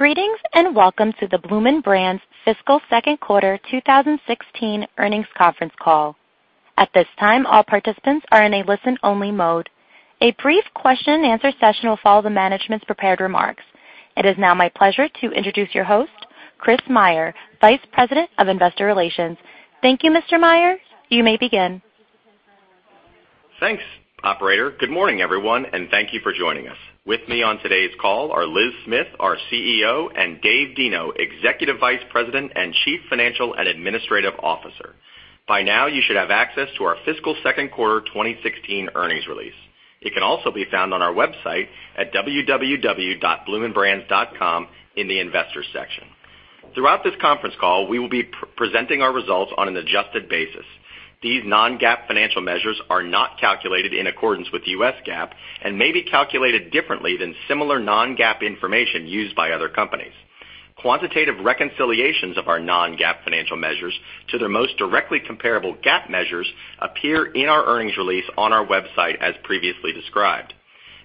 Greetings. Welcome to the Bloomin' Brands fiscal second quarter 2016 earnings conference call. At this time, all participants are in a listen-only mode. A brief question-and-answer session will follow the management's prepared remarks. It is now my pleasure to introduce your host, Chris Meyer, Vice President of Investor Relations. Thank you, Mr. Meyer. You may begin. Thanks, operator. Good morning, everyone. Thank you for joining us. With me on today's call are Liz Smith, our CEO, and Dave Deno, Executive Vice President and Chief Financial and Administrative Officer. By now, you should have access to our fiscal second quarter 2016 earnings release. It can also be found on our website at www.bloominbrands.com in the Investors section. Throughout this conference call, we will be presenting our results on an adjusted basis. These non-GAAP financial measures are not calculated in accordance with US GAAP and may be calculated differently than similar non-GAAP information used by other companies. Quantitative reconciliations of our non-GAAP financial measures to their most directly comparable GAAP measures appear in our earnings release on our website, as previously described.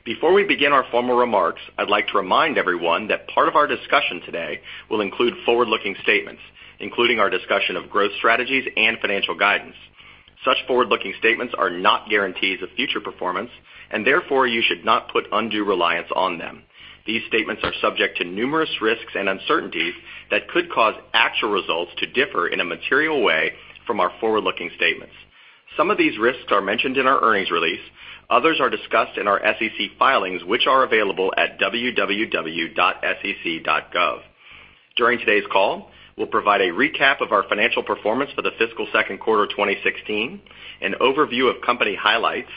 Before we begin our formal remarks, I'd like to remind everyone that part of our discussion today will include forward-looking statements, including our discussion of growth strategies and financial guidance. Such forward-looking statements are not guarantees of future performance. Therefore, you should not put undue reliance on them. These statements are subject to numerous risks and uncertainties that could cause actual results to differ in a material way from our forward-looking statements. Some of these risks are mentioned in our earnings release. Others are discussed in our SEC filings, which are available at www.sec.gov. During today's call, we'll provide a recap of our financial performance for the fiscal second quarter 2016, an overview of company highlights,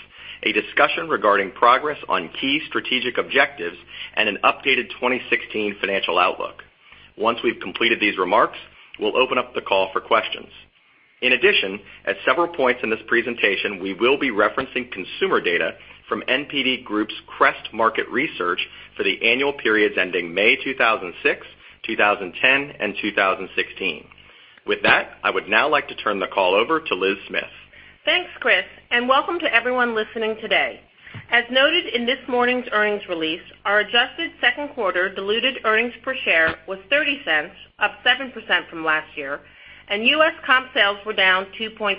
a discussion regarding progress on key strategic objectives, and an updated 2016 financial outlook. Once we've completed these remarks, we'll open up the call for questions. In addition, at several points in this presentation, we will be referencing consumer data from NPD Group's CREST market research for the annual periods ending May 2006, 2010, and 2016. With that, I would now like to turn the call over to Liz Smith. Thanks, Chris, and welcome to everyone listening today. As noted in this morning's earnings release, our adjusted second quarter diluted earnings per share was $0.30, up 7% from last year, and U.S. comp sales were down 2.3%.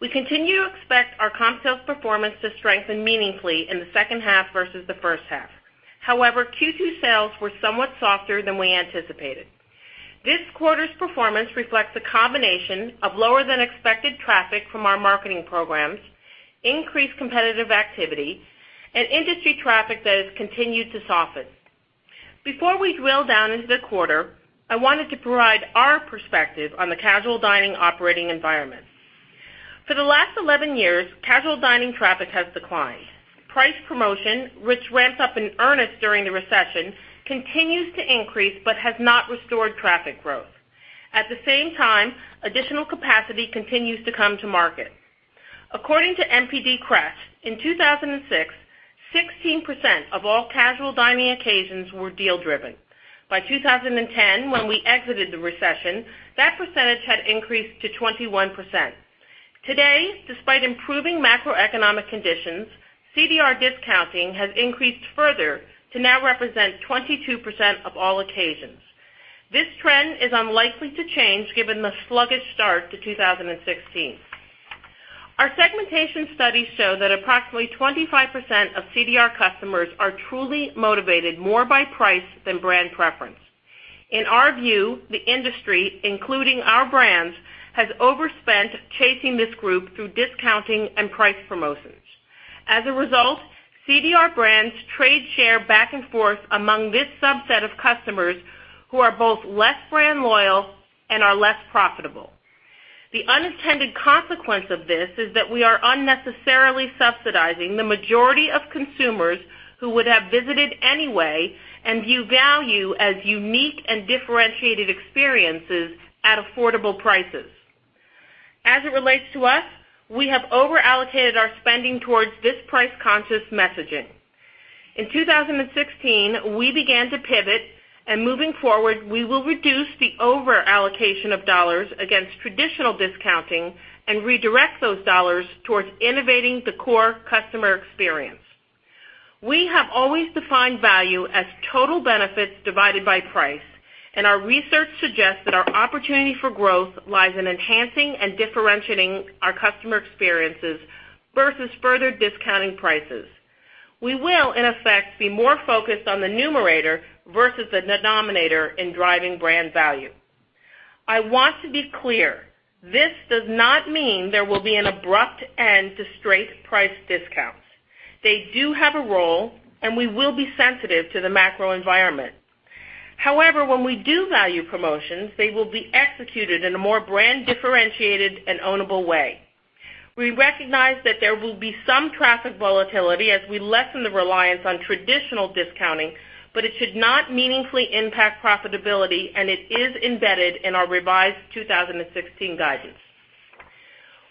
We continue to expect our comp sales performance to strengthen meaningfully in the second half versus the first half. However, Q2 sales were somewhat softer than we anticipated. This quarter's performance reflects a combination of lower than expected traffic from our marketing programs, increased competitive activity, and industry traffic that has continued to soften. Before we drill down into the quarter, I wanted to provide our perspective on the casual dining operating environment. For the last 11 years, casual dining traffic has declined. Price promotion, which ramps up in earnest during the recession, continues to increase but has not restored traffic growth. At the same time, additional capacity continues to come to market. According to NPD CREST, in 2006, 16% of all casual dining occasions were deal-driven. By 2010, when we exited the recession, that percentage had increased to 21%. Today, despite improving macroeconomic conditions, CDR discounting has increased further to now represent 22% of all occasions. This trend is unlikely to change given the sluggish start to 2016. Our segmentation studies show that approximately 25% of CDR customers are truly motivated more by price than brand preference. In our view, the industry, including our brands, has overspent chasing this group through discounting and price promotions. As a result, CDR brands trade share back and forth among this subset of customers, who are both less brand loyal and are less profitable. The unintended consequence of this is that we are unnecessarily subsidizing the majority of consumers who would have visited anyway and view value as unique and differentiated experiences at affordable prices. As it relates to us, we have over-allocated our spending towards this price-conscious messaging. In 2016, we began to pivot. Moving forward, we will reduce the over-allocation of dollars against traditional discounting and redirect those dollars towards innovating the core customer experience. We have always defined value as total benefits divided by price. Our research suggests that our opportunity for growth lies in enhancing and differentiating our customer experiences versus further discounting prices. We will, in effect, be more focused on the numerator versus the denominator in driving brand value. I want to be clear. This does not mean there will be an abrupt end to straight price discounts. They do have a role. We will be sensitive to the macro environment. However, when we do value promotions, they will be executed in a more brand differentiated and ownable way. We recognize that there will be some traffic volatility as we lessen the reliance on traditional discounting, but it should not meaningfully impact profitability. It is embedded in our revised 2016 guidance.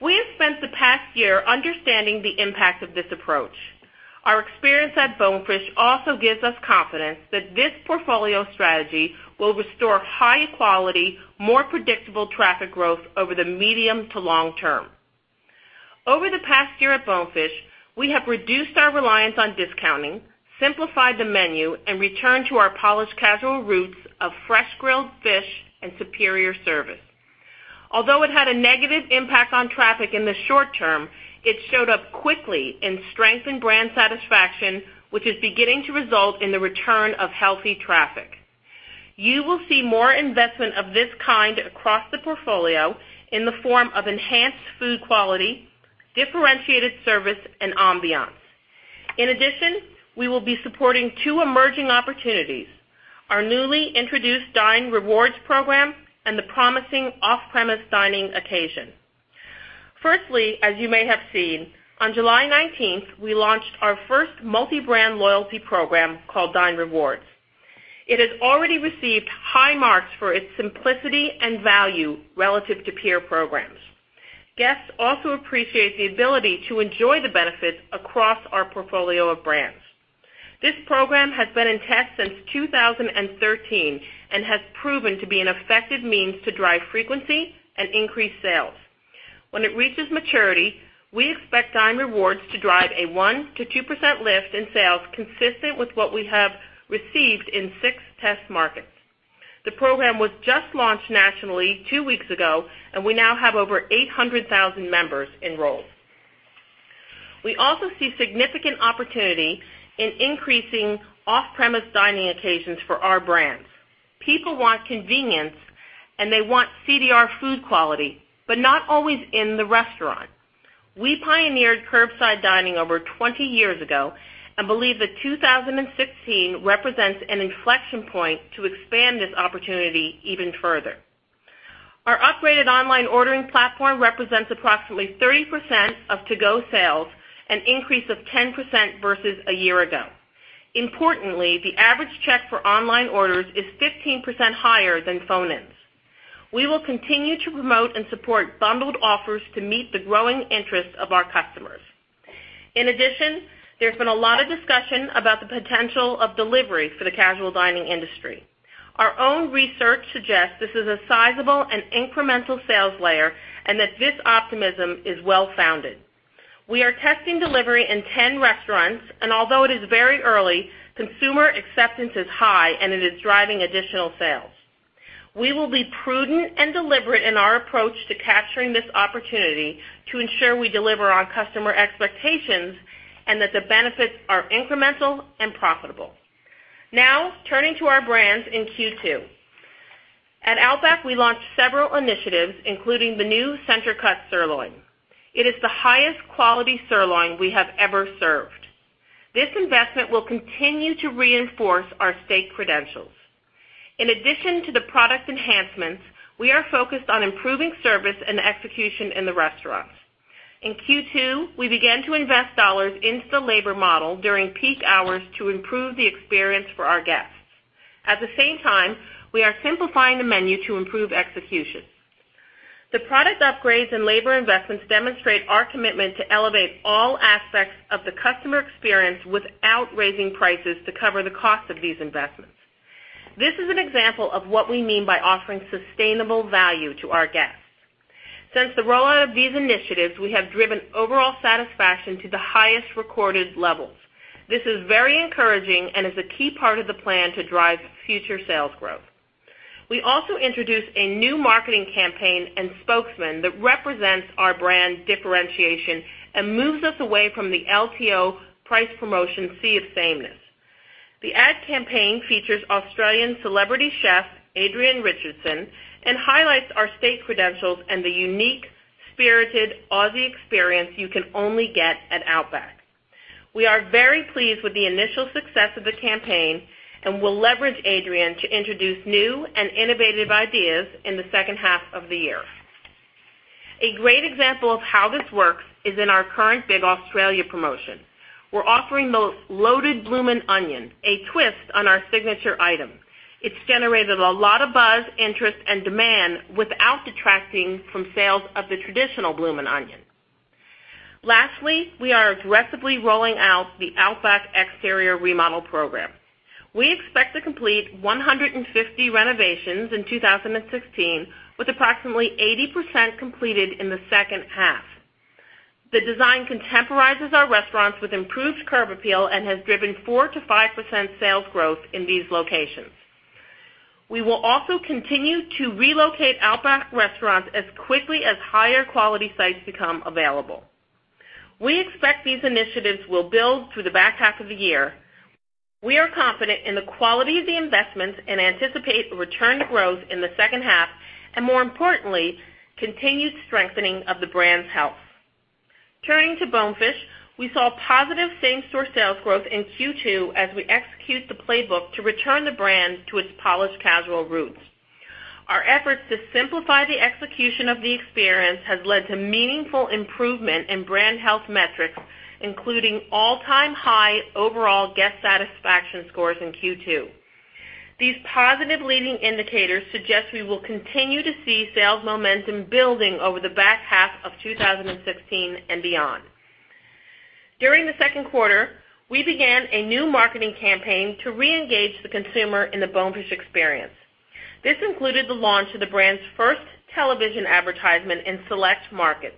We have spent the past year understanding the impact of this approach. Our experience at Bonefish also gives us confidence that this portfolio strategy will restore high-quality, more predictable traffic growth over the medium to long term. Over the past year at Bonefish, we have reduced our reliance on discounting, simplified the menu, and returned to our polished casual roots of fresh grilled fish and superior service. Although it had a negative impact on traffic in the short term, it showed up quickly in strengthened brand satisfaction, which is beginning to result in the return of healthy traffic. You will see more investment of this kind across the portfolio in the form of enhanced food quality, differentiated service, and ambiance. In addition, we will be supporting two emerging opportunities: our newly introduced Dine Rewards program and the promising off-premise dining occasion. Firstly, as you may have seen, on July 19th, we launched our first multi-brand loyalty program called Dine Rewards. It has already received high marks for its simplicity and value relative to peer programs. Guests also appreciate the ability to enjoy the benefits across our portfolio of brands. This program has been in test since 2013 and has proven to be an effective means to drive frequency and increase sales. When it reaches maturity, we expect Dine Rewards to drive a 1%-2% lift in sales consistent with what we have received in six test markets. The program was just launched nationally two weeks ago, and we now have over 800,000 members enrolled. We also see significant opportunity in increasing off-premise dining occasions for our brands. People want convenience, and they want CDR food quality, but not always in the restaurant. We pioneered curbside dining over 20 years ago and believe that 2016 represents an inflection point to expand this opportunity even further. Our upgraded online ordering platform represents approximately 30% of to-go sales, an increase of 10% versus a year ago. Importantly, the average check for online orders is 15% higher than phone-ins. We will continue to promote and support bundled offers to meet the growing interest of our customers. In addition, there's been a lot of discussion about the potential of delivery for the casual dining industry. Our own research suggests this is a sizable and incremental sales layer and that this optimism is well-founded. We are testing delivery in 10 restaurants, and although it is very early, consumer acceptance is high, and it is driving additional sales. We will be prudent and deliberate in our approach to capturing this opportunity to ensure we deliver on customer expectations and that the benefits are incremental and profitable. Turning to our brands in Q2. At Outback, we launched several initiatives, including the new Center-Cut sirloin. It is the highest quality sirloin we have ever served. This investment will continue to reinforce our steak credentials. In addition to the product enhancements, we are focused on improving service and execution in the restaurants. In Q2, we began to invest dollars into the labor model during peak hours to improve the experience for our guests. At the same time, we are simplifying the menu to improve execution. The product upgrades and labor investments demonstrate our commitment to elevate all aspects of the customer experience without raising prices to cover the cost of these investments. This is an example of what we mean by offering sustainable value to our guests. Since the rollout of these initiatives, we have driven overall satisfaction to the highest recorded levels. This is very encouraging and is a key part of the plan to drive future sales growth. We also introduced a new marketing campaign and spokesman that represents our brand differentiation and moves us away from the LTO price promotion sea of sameness. The ad campaign features Australian celebrity chef Adrian Richardson and highlights our steak credentials and the unique, spirited Aussie experience you can only get at Outback. We are very pleased with the initial success of the campaign and will leverage Adrian to introduce new and innovative ideas in the second half of the year. A great example of how this works is in our current Big Australia promotion. We are offering the Loaded Bloomin' Onion, a twist on our signature item. It has generated a lot of buzz, interest, and demand without detracting from sales of the traditional Bloomin' Onion. Lastly, we are aggressively rolling out the Outback exterior remodel program. We expect to complete 150 renovations in 2016, with approximately 80% completed in the second half. The design contemporizes our restaurants with improved curb appeal and has driven 4%-5% sales growth in these locations. We will also continue to relocate Outback restaurants as quickly as higher quality sites become available. We expect these initiatives will build through the back half of the year. We are confident in the quality of the investments and anticipate a return to growth in the second half, and more importantly, continued strengthening of the brand's health. Turning to Bonefish, we saw positive same-store sales growth in Q2 as we execute the playbook to return the brand to its polished casual roots. Our efforts to simplify the execution of the experience has led to meaningful improvement in brand health metrics, including all-time high overall guest satisfaction scores in Q2. These positive leading indicators suggest we will continue to see sales momentum building over the back half of 2016 and beyond. During the second quarter, we began a new marketing campaign to reengage the consumer in the Bonefish experience. This included the launch of the brand's first television advertisement in select markets.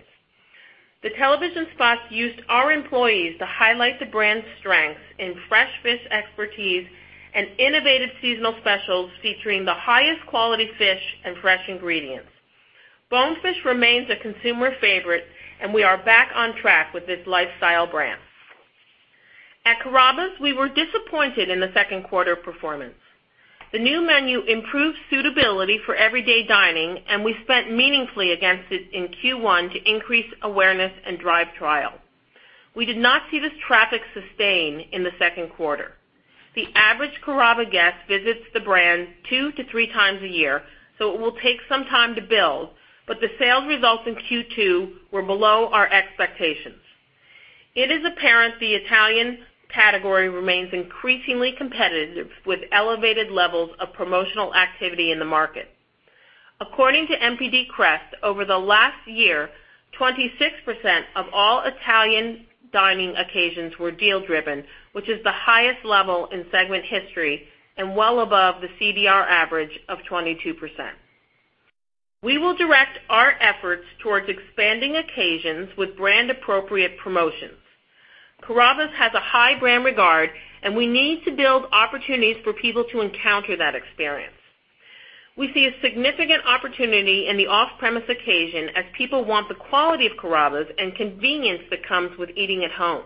The television spots used our employees to highlight the brand's strengths in fresh fish expertise and innovative seasonal specials featuring the highest quality fish and fresh ingredients. Bonefish remains a consumer favorite, and we are back on track with this lifestyle brand. At Carrabba's, we were disappointed in the second quarter performance. The new menu improved suitability for everyday dining, and we spent meaningfully against it in Q1 to increase awareness and drive trial. We did not see this traffic sustain in the second quarter. The average Carrabba's guest visits the brand two to three times a year, so it will take some time to build, but the sales results in Q2 were below our expectations. It is apparent the Italian category remains increasingly competitive with elevated levels of promotional activity in the market. According to NPD CREST, over the last year, 26% of all Italian dining occasions were deal-driven, which is the highest level in segment history and well above the CDR average of 22%. We will direct our efforts towards expanding occasions with brand-appropriate promotions. Carrabba's has a high brand regard, and we need to build opportunities for people to encounter that experience. We see a significant opportunity in the off-premise occasion as people want the quality of Carrabba's and convenience that comes with eating at home.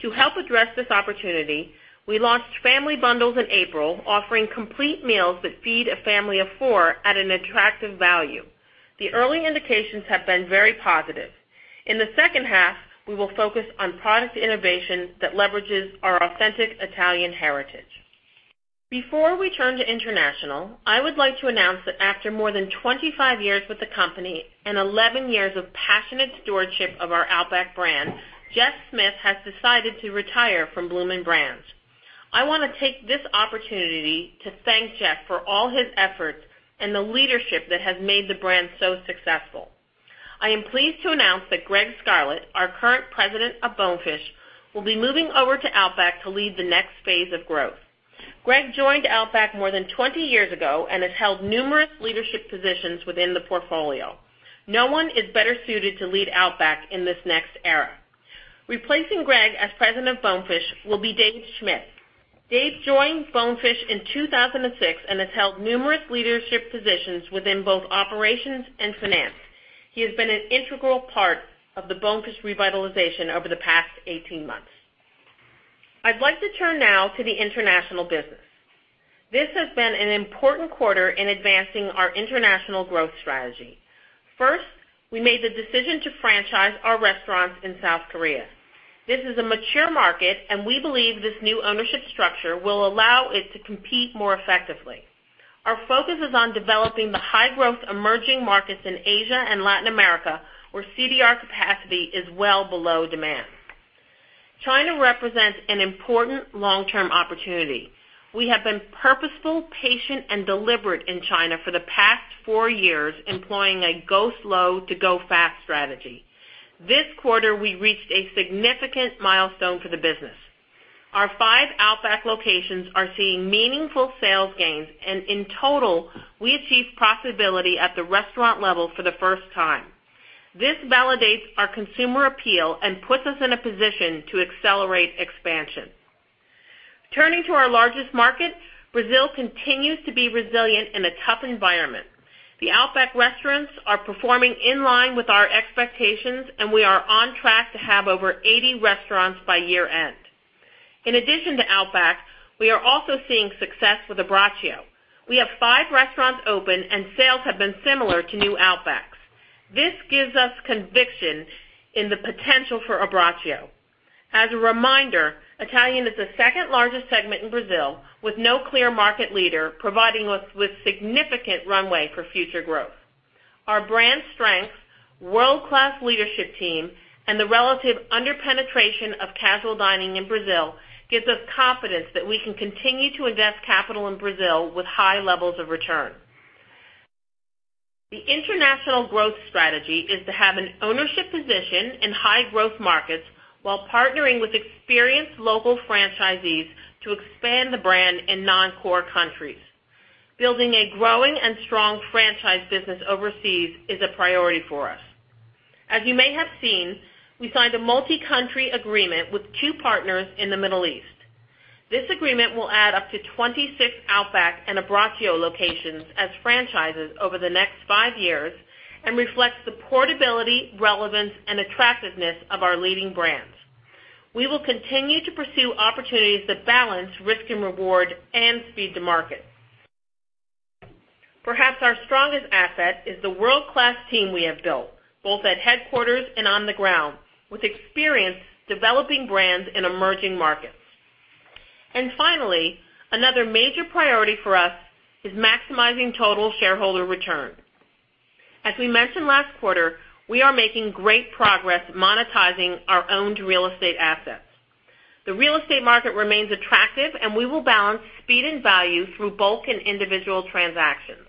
To help address this opportunity, we launched family bundles in April, offering complete meals that feed a family of four at an attractive value. The early indications have been very positive. In the second half, we will focus on product innovation that leverages our authentic Italian heritage. Before we turn to international, I would like to announce that after more than 25 years with the company and 11 years of passionate stewardship of our Outback brand, Jeff Smith has decided to retire from Bloomin' Brands. I want to take this opportunity to thank Jeff for all his efforts and the leadership that has made the brand so successful. I am pleased to announce that Gregg Scarlett, our current President of Bonefish, will be moving over to Outback to lead the next phase of growth. Gregg joined Outback more than 20 years ago and has held numerous leadership positions within the portfolio. No one is better suited to lead Outback in this next era. Replacing Gregg as President of Bonefish will be Dave Schmidt. Dave joined Bonefish in 2006 and has held numerous leadership positions within both operations and finance. He has been an integral part of the Bonefish revitalization over the past 18 months. I'd like to turn now to the international business. This has been an important quarter in advancing our international growth strategy. First, we made the decision to franchise our restaurants in South Korea. This is a mature market, and we believe this new ownership structure will allow it to compete more effectively. Our focus is on developing the high-growth emerging markets in Asia and Latin America, where CDR capacity is well below demand. China represents an important long-term opportunity. We have been purposeful, patient, and deliberate in China for the past four years, employing a go slow to go fast strategy. This quarter, we reached a significant milestone for the business. Our five Outback locations are seeing meaningful sales gains, and in total, we achieved profitability at the restaurant level for the first time. This validates our consumer appeal and puts us in a position to accelerate expansion. Turning to our largest market, Brazil continues to be resilient in a tough environment. The Outback restaurants are performing in line with our expectations, and we are on track to have over 80 restaurants by year-end. In addition to Outback, we are also seeing success with Abbraccio. We have five restaurants open, and sales have been similar to new Outbacks. This gives us conviction in the potential for Abbraccio. As a reminder, Italian is the second-largest segment in Brazil with no clear market leader, providing us with significant runway for future growth. Our brand strength, world-class leadership team, and the relative under-penetration of casual dining in Brazil gives us confidence that we can continue to invest capital in Brazil with high levels of return. The international growth strategy is to have an ownership position in high-growth markets while partnering with experienced local franchisees to expand the brand in non-core countries. Building a growing and strong franchise business overseas is a priority for us. As you may have seen, we signed a multi-country agreement with two partners in the Middle East. This agreement will add up to 26 Outback and Abbraccio locations as franchises over the next five years and reflects the portability, relevance, and attractiveness of our leading brands. We will continue to pursue opportunities that balance risk and reward and speed to market. Perhaps our strongest asset is the world-class team we have built, both at headquarters and on the ground, with experience developing brands in emerging markets. Finally, another major priority for us is maximizing total shareholder return. As we mentioned last quarter, we are making great progress monetizing our owned real estate assets. The real estate market remains attractive, and we will balance speed and value through bulk and individual transactions.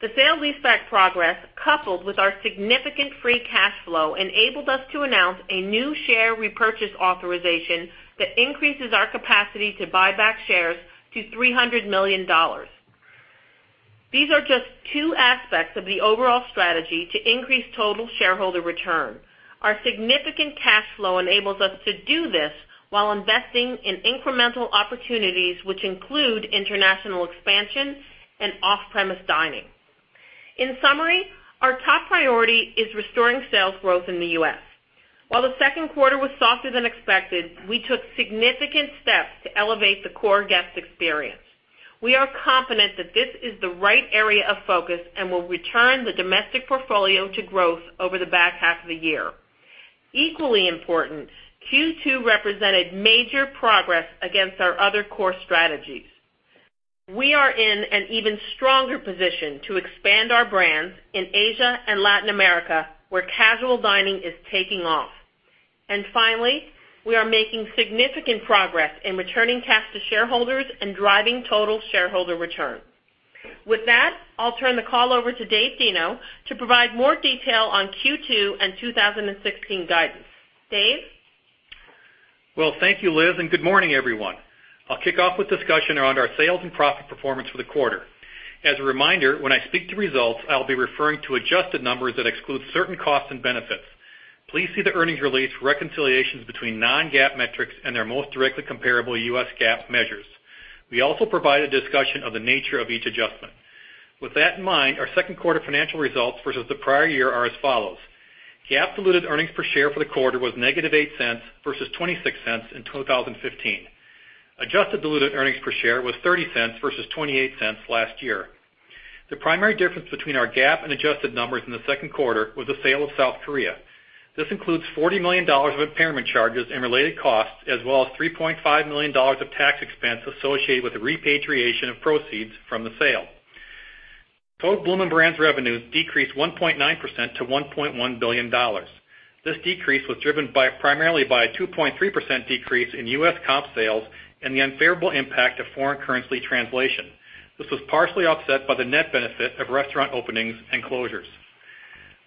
The sale-leaseback progress, coupled with our significant free cash flow, enabled us to announce a new share repurchase authorization that increases our capacity to buy back shares to $300 million. These are just two aspects of the overall strategy to increase total shareholder return. Our significant cash flow enables us to do this while investing in incremental opportunities, which include international expansion and off-premise dining. In summary, our top priority is restoring sales growth in the U.S. While the second quarter was softer than expected, we took significant steps to elevate the core guest experience. We are confident that this is the right area of focus and will return the domestic portfolio to growth over the back half of the year. Equally important, Q2 represented major progress against our other core strategies. We are in an even stronger position to expand our brands in Asia and Latin America, where casual dining is taking off. Finally, we are making significant progress in returning cash to shareholders and driving total shareholder return. With that, I'll turn the call over to Dave Deno to provide more detail on Q2 and 2016 guidance. Dave? Well, thank you, Liz, and good morning, everyone. I'll kick off with a discussion around our sales and profit performance for the quarter. As a reminder, when I speak to results, I'll be referring to adjusted numbers that exclude certain costs and benefits. Please see the earnings release reconciliations between non-GAAP metrics and their most directly comparable U.S. GAAP measures. We also provide a discussion of the nature of each adjustment. With that in mind, our second quarter financial results versus the prior year are as follows. GAAP diluted earnings per share for the quarter was negative $0.08 versus $0.26 in 2015. Adjusted diluted earnings per share was $0.30 versus $0.28 last year. The primary difference between our GAAP and adjusted numbers in the second quarter was the sale of South Korea. This includes $40 million of impairment charges and related costs, as well as $3.5 million of tax expense associated with the repatriation of proceeds from the sale. Total Bloomin' Brands revenue decreased 1.9% to $1.1 billion. This decrease was driven primarily by a 2.3% decrease in U.S. comp sales and the unfavorable impact of foreign currency translation. This was partially offset by the net benefit of restaurant openings and closures.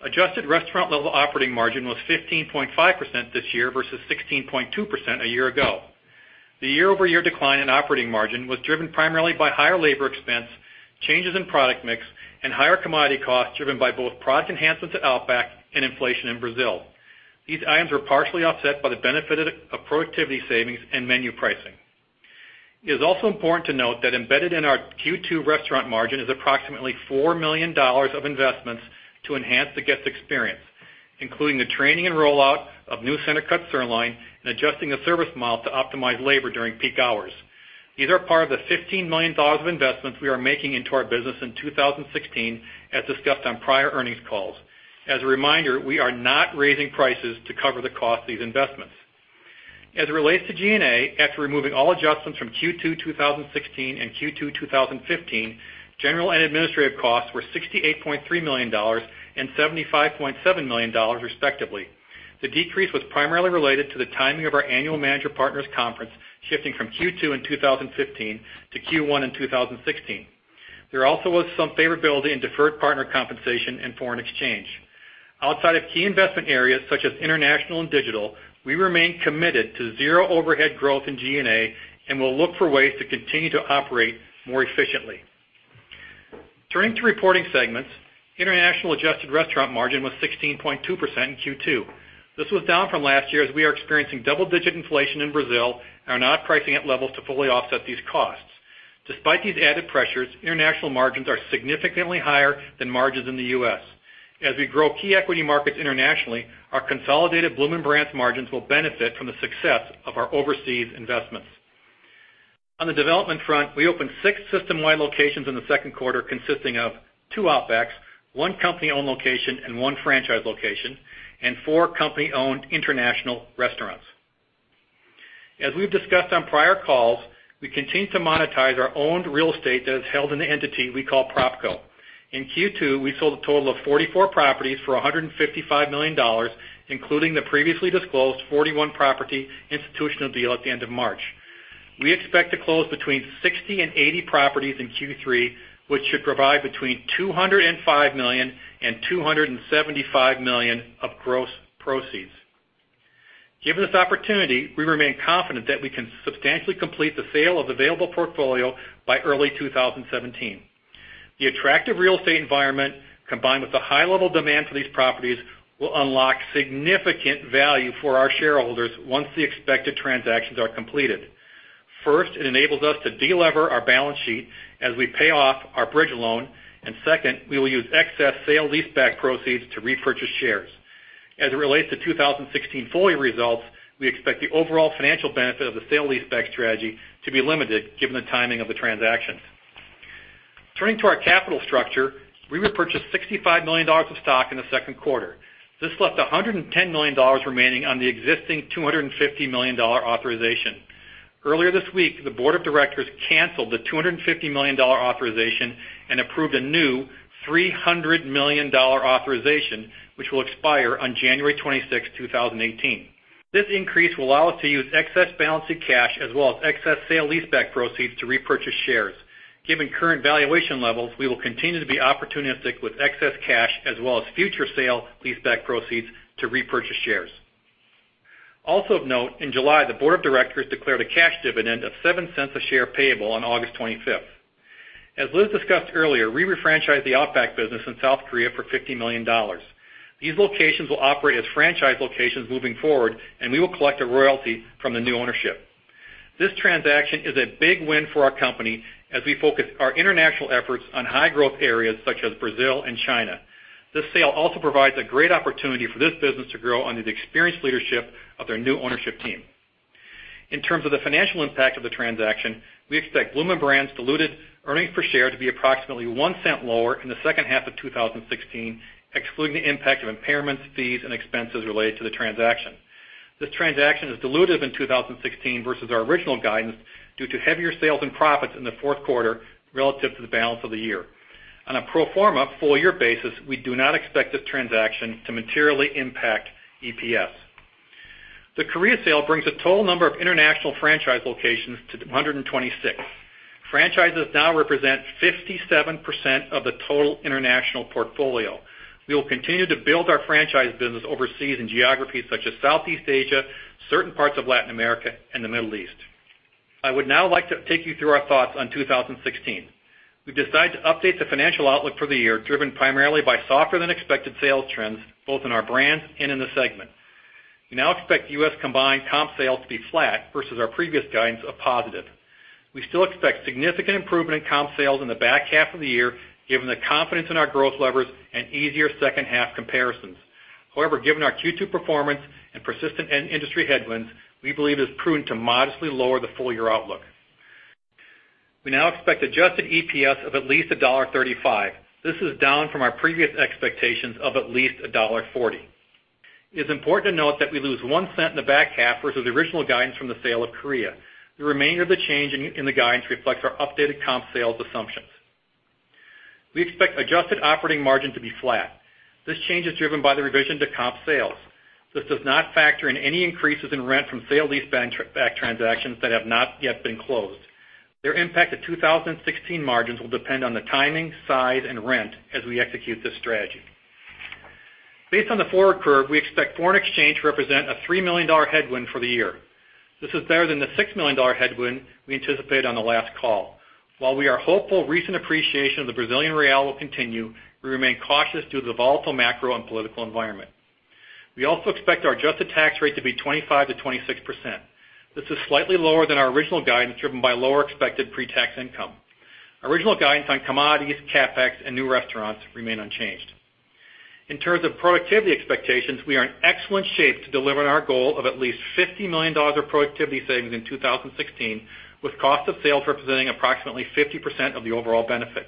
Adjusted restaurant-level operating margin was 15.5% this year versus 16.2% a year ago. The year-over-year decline in operating margin was driven primarily by higher labor expense, changes in product mix, and higher commodity costs driven by both product enhancements at Outback and inflation in Brazil. These items were partially offset by the benefit of productivity savings and menu pricing. It is also important to note that embedded in our Q2 restaurant margin is approximately $4 million of investments to enhance the guest experience, including the training and rollout of new Center-Cut sirloin and adjusting the service model to optimize labor during peak hours. These are part of the $15 million of investments we are making into our business in 2016, as discussed on prior earnings calls. As a reminder, we are not raising prices to cover the cost of these investments. As it relates to G&A, after removing all adjustments from Q2 2016 and Q2 2015, general and administrative costs were $68.3 million and $75.7 million, respectively. The decrease was primarily related to the timing of our annual Managing Partners Conference, shifting from Q2 in 2015 to Q1 in 2016. There also was some favorability in deferred partner compensation and foreign exchange. Outside of key investment areas such as international and digital, we remain committed to zero overhead growth in G&A and will look for ways to continue to operate more efficiently. Turning to reporting segments, international adjusted restaurant margin was 16.2% in Q2. This was down from last year as we are experiencing double-digit inflation in Brazil and are not pricing at levels to fully offset these costs. Despite these added pressures, international margins are significantly higher than margins in the U.S. As we grow key equity markets internationally, our consolidated Bloomin' Brands margins will benefit from the success of our overseas investments. On the development front, we opened six system-wide locations in the second quarter, consisting of two Outbacks, one company-owned location and one franchise location, and four company-owned international restaurants. As we've discussed on prior calls, we continue to monetize our owned real estate that is held in the entity we call PropCo. In Q2, we sold a total of 44 properties for $155 million, including the previously disclosed 41-property institutional deal at the end of March. We expect to close between 60 and 80 properties in Q3, which should provide between $205 million and $275 million of gross proceeds. Given this opportunity, we remain confident that we can substantially complete the sale of the available portfolio by early 2017. The attractive real estate environment, combined with the high level of demand for these properties, will unlock significant value for our shareholders once the expected transactions are completed. First, it enables us to de-lever our balance sheet as we pay off our bridge loan. Second, we will use excess sale leaseback proceeds to repurchase shares. As it relates to 2016 full-year results, we expect the overall financial benefit of the sale leaseback strategy to be limited given the timing of the transactions. Turning to our capital structure, we repurchased $65 million of stock in the second quarter. This left $110 million remaining on the existing $250 million authorization. Earlier this week, the board of directors canceled the $250 million authorization and approved a new $300 million authorization, which will expire on January 26, 2018. This increase will allow us to use excess balancing cash as well as excess sale-leaseback proceeds to repurchase shares. Given current valuation levels, we will continue to be opportunistic with excess cash as well as future sale-leaseback proceeds to repurchase shares. Also of note, in July, the board of directors declared a cash dividend of $0.07 a share payable on August 25th. As Liz discussed earlier, we refranchised the Outback business in Korea for $50 million. These locations will operate as franchise locations moving forward, and we will collect a royalty from the new ownership. This transaction is a big win for our company as we focus our international efforts on high-growth areas such as Brazil and China. This sale also provides a great opportunity for this business to grow under the experienced leadership of their new ownership team. In terms of the financial impact of the transaction, we expect Bloomin' Brands diluted earnings per share to be approximately $0.01 lower in the second half of 2016, excluding the impact of impairments, fees, and expenses related to the transaction. This transaction is dilutive in 2016 versus our original guidance due to heavier sales and profits in the fourth quarter relative to the balance of the year. On a pro forma full-year basis, we do not expect this transaction to materially impact EPS. The Korea sale brings the total number of international franchise locations to 126. Franchises now represent 57% of the total international portfolio. We will continue to build our franchise business overseas in geographies such as Southeast Asia, certain parts of Latin America, and the Middle East. I would now like to take you through our thoughts on 2016. We've decided to update the financial outlook for the year, driven primarily by softer-than-expected sales trends, both in our brands and in the segment. We now expect US combined comp sales to be flat versus our previous guidance of positive. We still expect significant improvement in comp sales in the back half of the year, given the confidence in our growth levers and easier second half comparisons. However, given our Q2 performance and persistent industry headwinds, we believe it is prudent to modestly lower the full-year outlook. We now expect adjusted EPS of at least $1.35. This is down from our previous expectations of at least $1.40. It is important to note that we lose $0.01 in the back half versus the original guidance from the sale of Korea. The remainder of the change in the guidance reflects our updated comp sales assumptions. We expect adjusted operating margin to be flat. This change is driven by the revision to comp sales. This does not factor in any increases in rent from sale-leaseback transactions that have not yet been closed. Their impact to 2016 margins will depend on the timing, size, and rent as we execute this strategy. Based on the forward curve, we expect foreign exchange to represent a $3 million headwind for the year. This is better than the $6 million headwind we anticipated on the last call. While we are hopeful recent appreciation of the Brazilian real will continue, we remain cautious due to the volatile macro and political environment. We also expect our adjusted tax rate to be 25%-26%. This is slightly lower than our original guidance, driven by lower expected pretax income. Our original guidance on commodities, CapEx, and new restaurants remain unchanged. In terms of productivity expectations, we are in excellent shape to deliver on our goal of at least $50 million of productivity savings in 2016, with cost of sales representing approximately 50% of the overall benefit.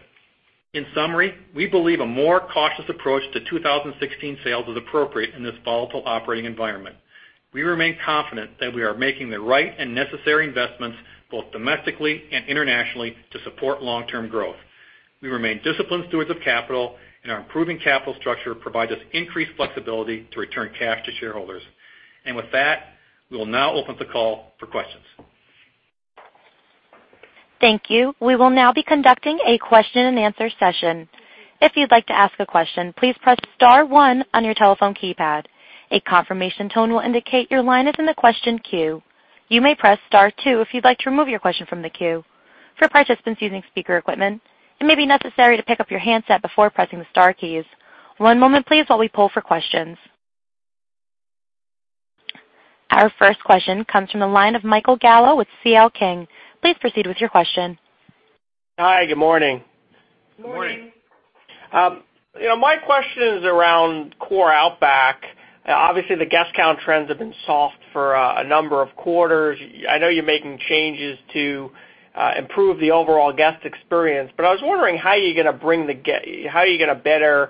In summary, we believe a more cautious approach to 2016 sales is appropriate in this volatile operating environment. We remain confident that we are making the right and necessary investments, both domestically and internationally, to support long-term growth. We remain disciplined stewards of capital, our improving capital structure provides us increased flexibility to return cash to shareholders. With that, we will now open the call for questions. Thank you. We will now be conducting a question and answer session. If you'd like to ask a question, please press *1 on your telephone keypad. A confirmation tone will indicate your line is in the question queue. You may press *2 if you'd like to remove your question from the queue. For participants using speaker equipment, it may be necessary to pick up your handset before pressing the star keys. One moment please while we poll for questions. Our first question comes from the line of Michael Gallo with C.L. King. Please proceed with your question. Hi, good morning. Good morning. My question is around core Outback. Obviously, the guest count trends have been soft for a number of quarters. I know you're making changes to improve the overall guest experience, but I was wondering how you're going to better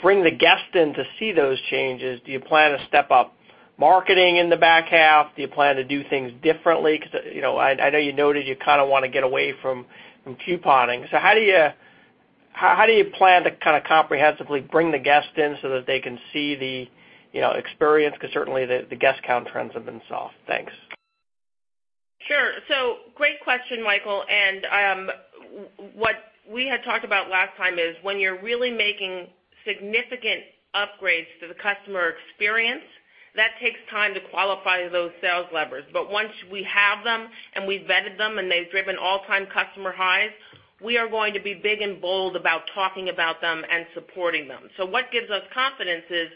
bring the guest in to see those changes. Do you plan to step up marketing in the back half? Do you plan to do things differently? Because I know you noted you kind of want to get away from couponing. How do you plan to kind of comprehensively bring the guest in so that they can see the experience? Because certainly the guest count trends have been soft. Thanks. Sure. Great question, Michael, and what we had talked about last time is when you're really making significant upgrades to the customer experience, that takes time to qualify those sales levers. Once we have them, and we've vetted them, and they've driven all-time customer highs, we are going to be big and bold about talking about them and supporting them. What gives us confidence is,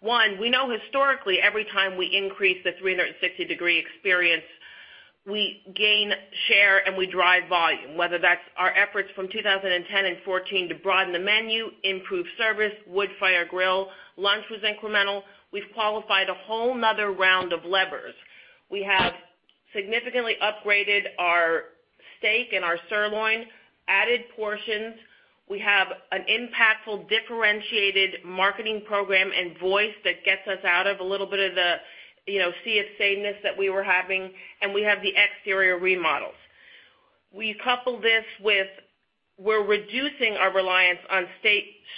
one, we know historically, every time we increase the 360-degree experience, we gain share and we drive volume, whether that's our efforts from 2010 and 2014 to broaden the menu, improve service, Wood-Fire Grill, lunch was incremental. We've qualified a whole other round of levers. We have significantly upgraded our Steak and our sirloin, added portions. We have an impactful differentiated marketing program and voice that gets us out of a little bit of the sea of sameness that we were having, and we have the exterior remodels. We couple this with, we're reducing our reliance on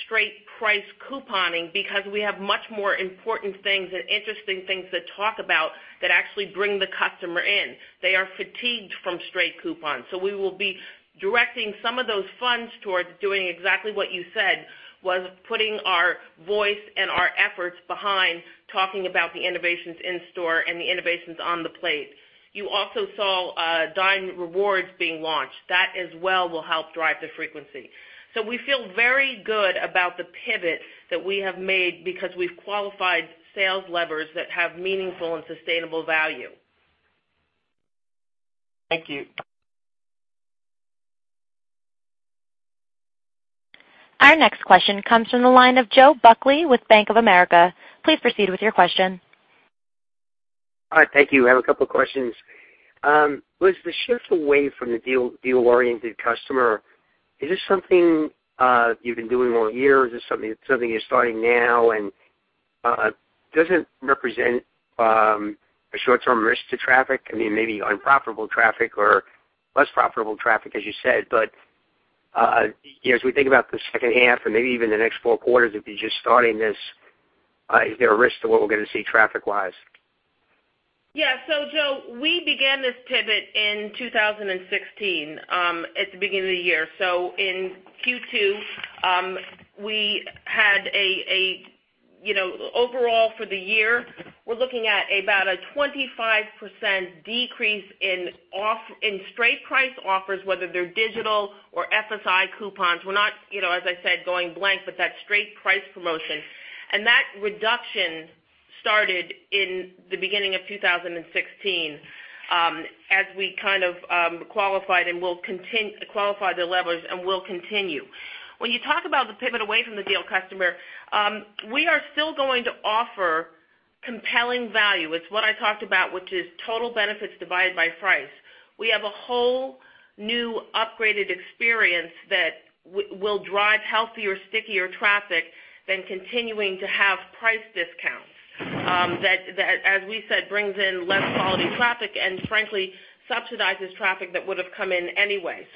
straight price couponing because we have much more important things and interesting things to talk about that actually bring the customer in. They are fatigued from straight coupons. We will be directing some of those funds towards doing exactly what you said, was putting our voice and our efforts behind talking about the innovations in store and the innovations on the plate. You also saw Dine Rewards being launched. That as well will help drive the frequency. We feel very good about the pivot that we have made because we've qualified sales levers that have meaningful and sustainable value. Thank you. Our next question comes from the line of Joe Buckley with Bank of America. Please proceed with your question. All right, thank you. I have a couple questions. Liz, the shift away from the deal-oriented customer, is this something you've been doing all year? Is this something you're starting now and doesn't represent a short-term risk to traffic? Maybe unprofitable traffic or less profitable traffic, as you said, but as we think about the second half and maybe even the next four quarters, if you're just starting this, is there a risk to what we're going to see traffic-wise? Yeah. Joe, we began this pivot in 2016, at the beginning of the year. In Q2, overall for the year, we're looking at about a 25% decrease in straight price offers, whether they're digital or FSI coupons. We're not, as I said, going blank, but that straight price promotion. That reduction started in the beginning of 2016, as we qualified the levers and will continue. When you talk about the pivot away from the deal customer, we are still going to offer compelling value. It's what I talked about, which is total benefits divided by price. We have a whole new upgraded experience that will drive healthier, stickier traffic than continuing to have price discounts. That, as we said, brings in less quality traffic and frankly subsidizes traffic that would've come in anyway.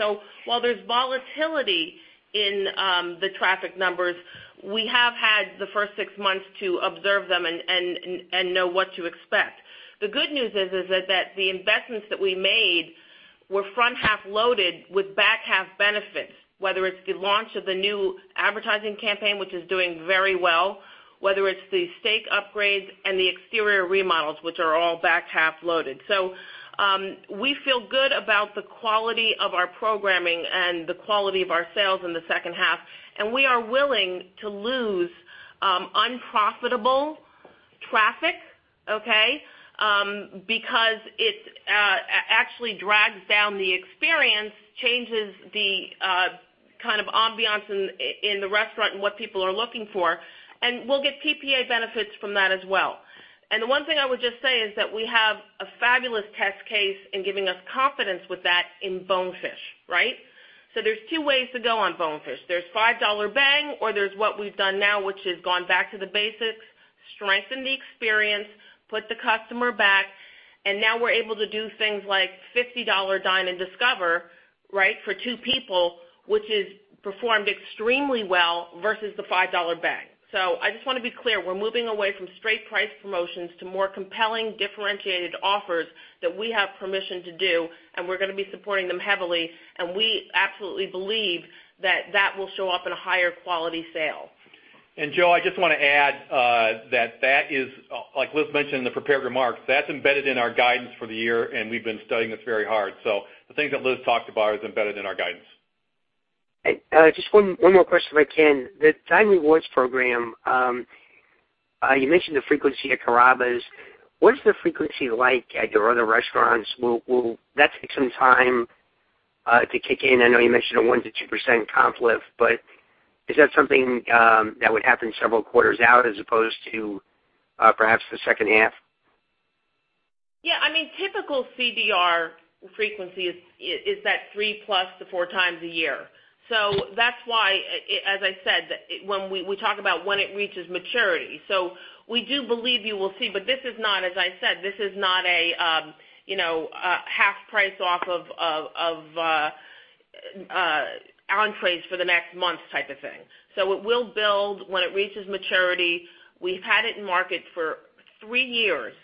While there's volatility in the traffic numbers, we have had the first six months to observe them and know what to expect. The good news is that the investments that we made were front-half loaded with back-half benefits, whether it's the launch of the new advertising campaign, which is doing very well, whether it's the steak upgrades and the exterior remodels, which are all back-half loaded. We feel good about the quality of our programming and the quality of our sales in the second half, and we are willing to lose unprofitable traffic, okay? Because it actually drags down the experience, changes the kind of ambiance in the restaurant and what people are looking for, and we'll get PPA benefits from that as well. The one thing I would just say is that we have a fabulous test case in giving us confidence with that in Bonefish. There's two ways to go on Bonefish. There's $5 bang, or there's what we've done now, which is gone back to the basics, strengthened the experience, put the customer back, and now we're able to do things like $50 Dine and Discover for two people, which has performed extremely well versus the $5 bang. I just want to be clear, we're moving away from straight price promotions to more compelling, differentiated offers that we have permission to do, and we're going to be supporting them heavily. We absolutely believe that that will show up in a higher quality sale. Joe, I just want to add that that is, like Liz mentioned in the prepared remarks, that's embedded in our guidance for the year, and we've been studying this very hard. The things that Liz talked about is embedded in our guidance. Just one more question if I can. The Dine Rewards program, you mentioned the frequency at Carrabba's. What is the frequency like at your other restaurants? Will that take some time to kick in? I know you mentioned a 1%-2% comp lift, but is that something that would happen several quarters out as opposed to perhaps the second half? Yeah. Typical CDR frequency is that three-plus to four times a year. That's why, as I said, when we talk about when it reaches maturity. We do believe you will see, but this is not, as I said, this is not a half price off of entrees for the next month type of thing. It will build when it reaches maturity. We've had it in market for three years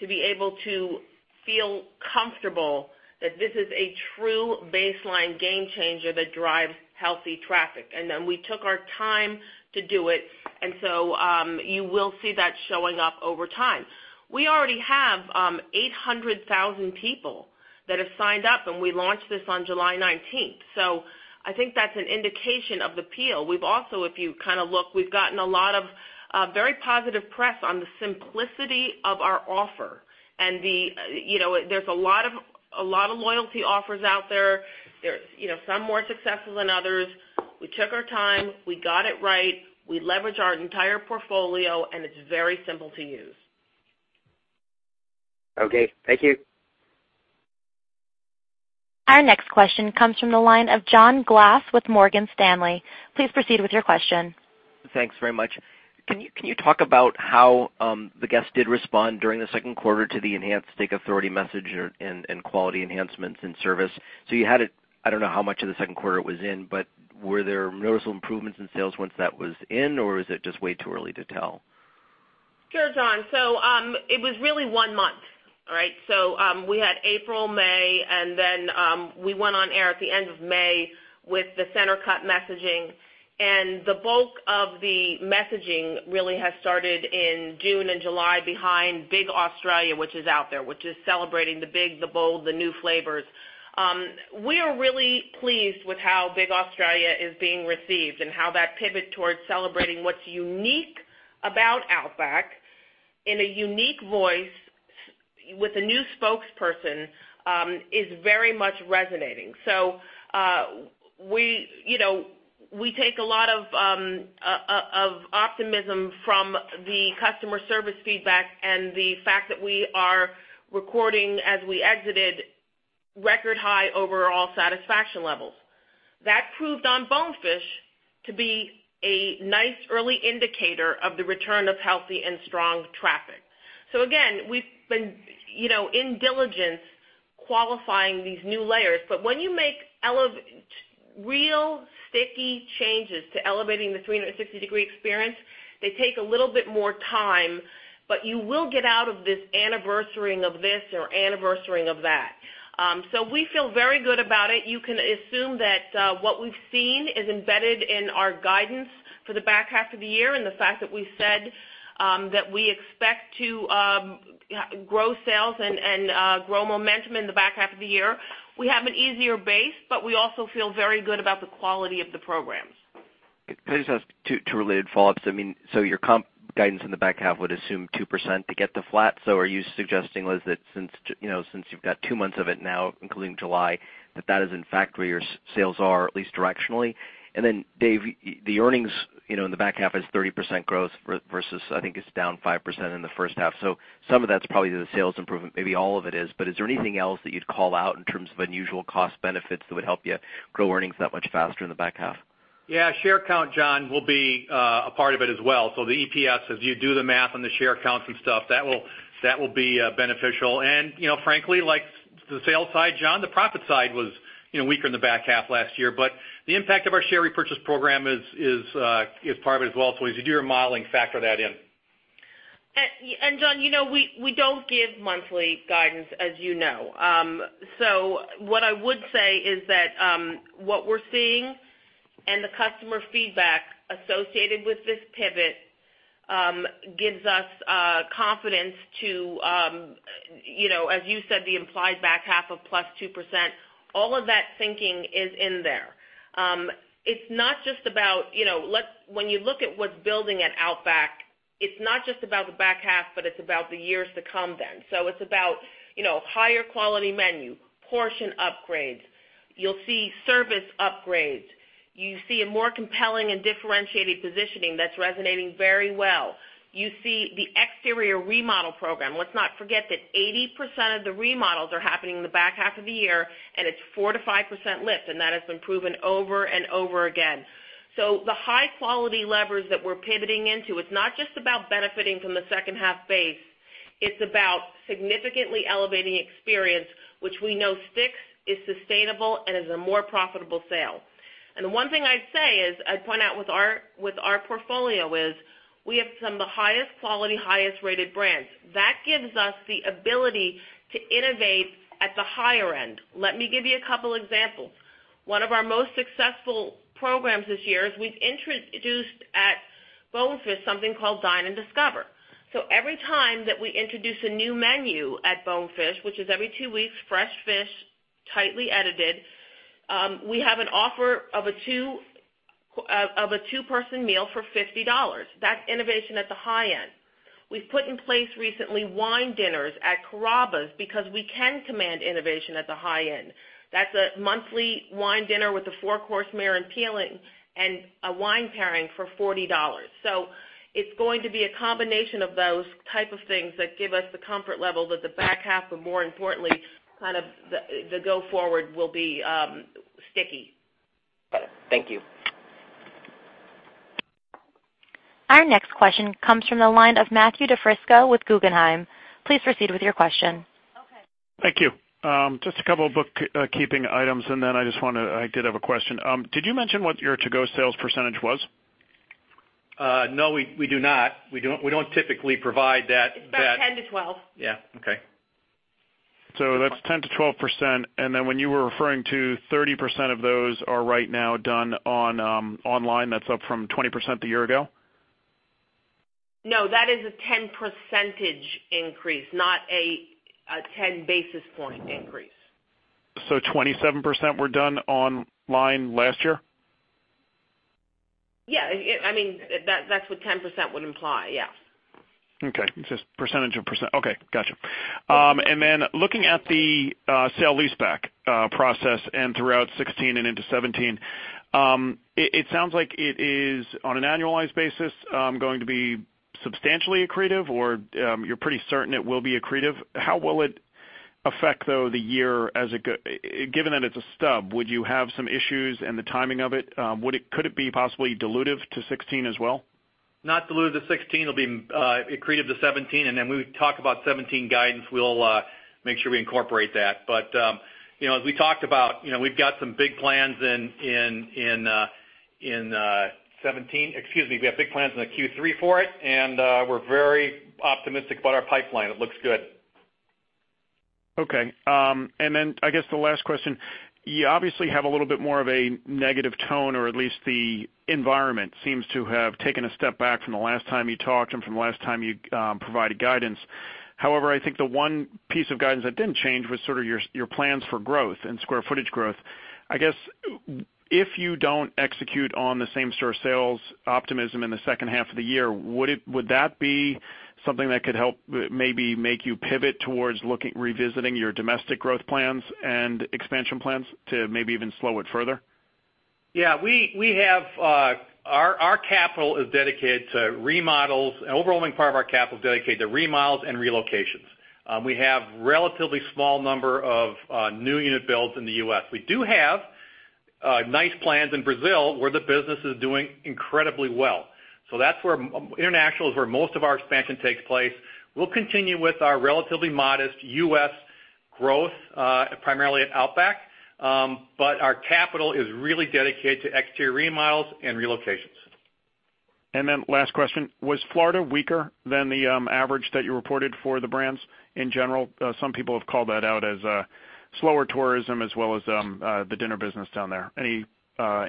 to be able to feel comfortable that this is a true baseline game changer that drives healthy traffic, and we took our time to do it, and you will see that showing up over time. We already have 800,000 people that have signed up, and we launched this on July 19th. I think that's an indication of the appeal. We've also, if you look, we've gotten a lot of very positive press on the simplicity of our offer. There's a lot of loyalty offers out there. Some more successful than others. We took our time. We got it right. We leveraged our entire portfolio, and it's very simple to use. Okay. Thank you. Our next question comes from the line of John Glass with Morgan Stanley. Please proceed with your question. Thanks very much. Can you talk about how the guest did respond during the second quarter to the enhanced steak authority message and quality enhancements in service? You had it, I don't know how much of the second quarter it was in, but were there noticeable improvements in sales once that was in, or is it just way too early to tell? Sure, John. It was really one month. We had April, May, and then we went on air at the end of May with the Center-Cut messaging. The bulk of the messaging really has started in June and July behind Big Australia, which is out there, which is celebrating the big, the bold, the new flavors. We are really pleased with how Big Australia is being received and how that pivot towards celebrating what's unique about Outback in a unique voice with a new spokesperson, is very much resonating. We take a lot of optimism from the customer service feedback and the fact that we are recording, as we exited, record high overall satisfaction levels. That proved on Bonefish to be a nice early indicator of the return of healthy and strong traffic. Again, we've been in diligence qualifying these new layers, but when you make real sticky changes to elevating the 360-degree experience, they take a little bit more time, but you will get out of this anniversarying of this or anniversarying of that. We feel very good about it. You can assume that what we've seen is embedded in our guidance for the back half of the year and the fact that we said that we expect to grow sales and grow momentum in the back half of the year. We have an easier base, but we also feel very good about the quality of the programs. Can I just ask two related follow-ups? Your comp guidance in the back half would assume 2% to get to flat. Are you suggesting, Liz, that since you've got two months of it now, including July, that that is in fact where your sales are, at least directionally? Dave, the earnings, in the back half is 30% growth versus I think it's down 5% in the first half. Some of that's probably the sales improvement, maybe all of it is, but is there anything else that you'd call out in terms of unusual cost benefits that would help you grow earnings that much faster in the back half? Share count, John, will be a part of it as well. The EPS, as you do the math on the share counts and stuff, that will be beneficial. Frankly, like the sales side, John, the profit side was weaker in the back half last year. The impact of our share repurchase program is part of it as well. As you do your modeling, factor that in. John, we don't give monthly guidance, as you know. What I would say is that what we're seeing and the customer feedback associated with this pivot gives us confidence to, as you said, the implied back half of +2%, all of that thinking is in there. When you look at what's building at Outback, it's not just about the back half, but it's about the years to come then. It's about higher quality menu, portion upgrades. You'll see service upgrades. You see a more compelling and differentiated positioning that's resonating very well. You see the exterior remodel program. Let's not forget that 80% of the remodels are happening in the back half of the year, and it's 4%-5% lift, and that has been proven over and over again. The high-quality levers that we're pivoting into, it's not just about benefiting from the second half base, it's about significantly elevating experience, which we know sticks, is sustainable, and is a more profitable sale. The one thing I'd say is, I'd point out with our portfolio is we have some of the highest quality, highest rated brands. That gives us the ability to innovate at the higher end. Let me give you a couple examples. One of our most successful programs this year is we've introduced at Bonefish something called Dine and Discover. Every time that we introduce a new menu at Bonefish, which is every two weeks, fresh fish, tightly edited, we have an offer of a two-person meal for $50. That's innovation at the high end. We've put in place recently wine dinners at Carrabba's because we can command innovation at the high end. That's a monthly wine dinner with a four-course meal and a wine pairing for $40. It's going to be a combination of those type of things that give us the comfort level that the back half, but more importantly, the go forward will be sticky. Got it. Thank you. Our next question comes from the line of Matthew DiFrisco with Guggenheim. Please proceed with your question. Okay. Thank you. Just a couple of bookkeeping items. Then I did have a question. Did you mention what your to-go sales percentage was? No, we do not. We don't typically provide that. It's about 10%-12%. Yeah. Okay. That's 10%-12%. When you were referring to 30% of those are right now done online, that's up from 20% a year ago? No, that is a 10 percentage increase, not a 10 basis point increase. 27% were done online last year? Yeah. That's what 10% would imply, yes. Okay. It's just percentage of percent. Okay, got you. Looking at the sale leaseback process and throughout 2016 and into 2017, it sounds like it is, on an annualized basis, going to be substantially accretive, or you're pretty certain it will be accretive. How will it affect, though, the year, given that it's a stub? Would you have some issues in the timing of it? Could it be possibly dilutive to 2016 as well? Not dilutive to 2016. It'll be accretive to 2017. When we talk about 2017 guidance, we'll make sure we incorporate that. As we talked about, we've got some big plans in 2017. Excuse me, we have big plans in the Q3 for it, and we're very optimistic about our pipeline. It looks good. Okay. I guess the last question, you obviously have a little bit more of a negative tone, or at least the environment seems to have taken a step back from the last time you talked and from the last time you provided guidance. I think the one piece of guidance that didn't change was sort of your plans for growth and square footage growth. I guess, if you don't execute on the same-store sales optimism in the second half of the year, would that be something that could help maybe make you pivot towards revisiting your domestic growth plans and expansion plans to maybe even slow it further? Yeah. Our capital is dedicated to remodels. An overwhelming part of our capital is dedicated to remodels and relocations. We have relatively small number of new unit builds in the U.S. We do have nice plans in Brazil, where the business is doing incredibly well. International is where most of our expansion takes place. We'll continue with our relatively modest U.S. growth, primarily at Outback. Our capital is really dedicated to exterior remodels and relocations. Last question, was Florida weaker than the average that you reported for the brands in general? Some people have called that out as slower tourism as well as the dinner business down there. Any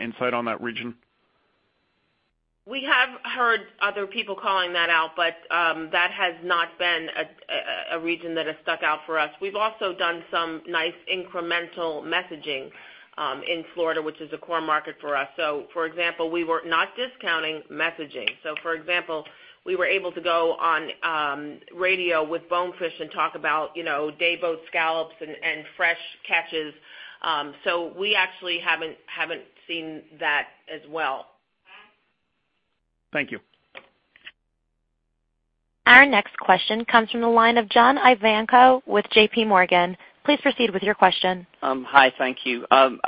insight on that region? We have heard other people calling that out, that has not been a region that has stuck out for us. We've also done some nice incremental messaging in Florida, which is a core market for us. For example, we were not discounting messaging. For example, we were able to go on radio with Bonefish and talk about day boat scallops and fresh catches. We actually haven't seen that as well. Thank you. Our next question comes from the line of John Ivankoe with J.P. Morgan. Please proceed with your question. Hi, thank you. I'm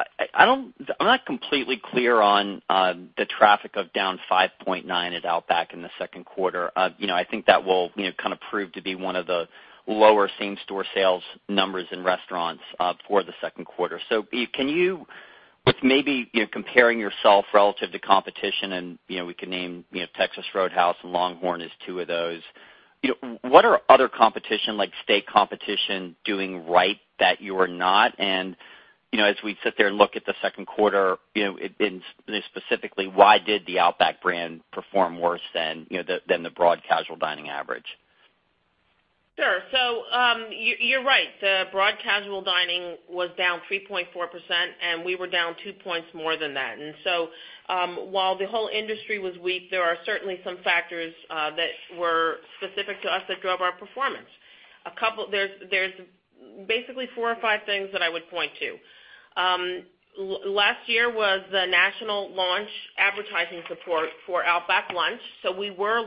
not completely clear on the traffic of down 5.9% at Outback in the second quarter. I think that will kind of prove to be one of the lower same-store sales numbers in restaurants for the second quarter. Can you, with maybe comparing yourself relative to competition, and we can name Texas Roadhouse and LongHorn as two of those, what are other competition, like steak competition, doing right that you are not? As we sit there and look at the second quarter, specifically, why did the Outback brand perform worse than the broad casual dining average? Sure. You're right. The broad casual dining was down 3.4%, and we were down two points more than that. While the whole industry was weak, there are certainly some factors that were specific to us that drove our performance. There's basically four or five things that I would point to. Last year was the national launch advertising support for Outback Lunch, so we were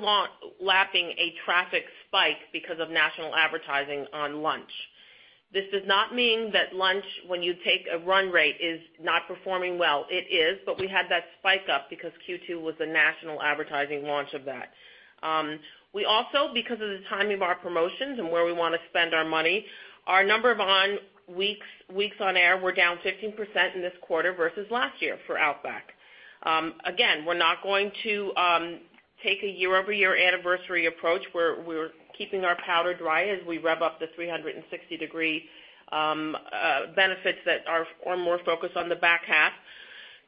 lapping a traffic spike because of national advertising on lunch. This does not mean that lunch, when you take a run rate, is not performing well. It is, but we had that spike up because Q2 was the national advertising launch of that. We also, because of the timing of our promotions and where we want to spend our money, our number of weeks on air were down 15% in this quarter versus last year for Outback. Again, we're not going to take a year-over-year anniversary approach where we're keeping our powder dry as we rev up the 360-degree benefits that are more focused on the back half.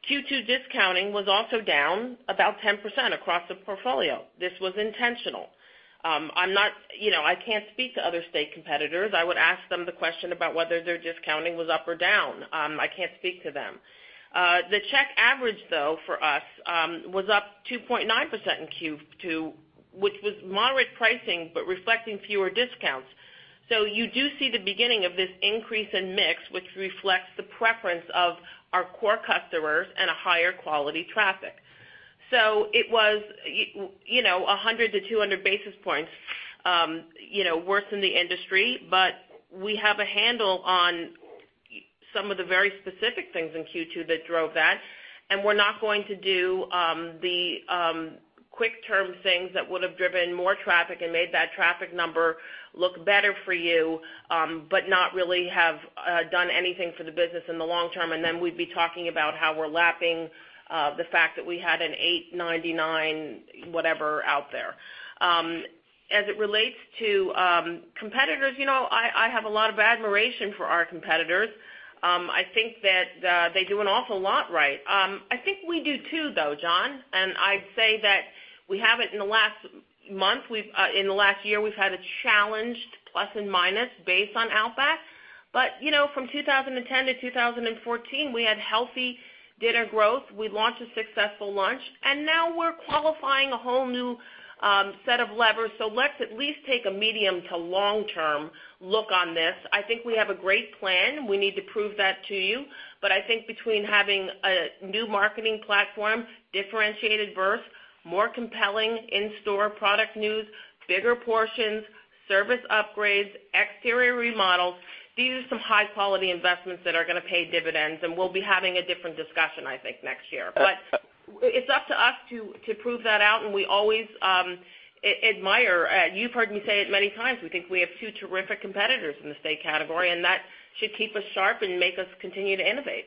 Q2 discounting was also down about 10% across the portfolio. This was intentional. I can't speak to other steak competitors. I would ask them the question about whether their discounting was up or down. I can't speak to them. The check average, though, for us, was up 2.9% in Q2, which was moderate pricing, but reflecting fewer discounts. You do see the beginning of this increase in mix, which reflects the preference of our core customers and a higher quality traffic. It was 100 to 200 basis points worse than the industry, but we have a handle on some of the very specific things in Q2 that drove that. We're not going to do the quick term things that would have driven more traffic and made that traffic number look better for you, but not really have done anything for the business in the long term, then we'd be talking about how we're lapping the fact that we had an 899 whatever out there. As it relates to competitors, I have a lot of admiration for our competitors. I think that they do an awful lot right. I think we do too, though, John, I'd say that we haven't in the last month, in the last year, we've had a challenged plus and minus based on Outback. From 2010 to 2014, we had healthy dinner growth. We launched a successful lunch, now we're qualifying a whole new set of levers. Let's at least take a medium to long-term look on this. I think we have a great plan. We need to prove that to you. I think between having a new marketing platform, differentiated berth, more compelling in-store product news, bigger portions, service upgrades, exterior remodels, these are some high-quality investments that are going to pay dividends, we'll be having a different discussion, I think, next year. It's up to us to prove that out. You've heard me say it many times, we think we have two terrific competitors in the steak category, that should keep us sharp and make us continue to innovate.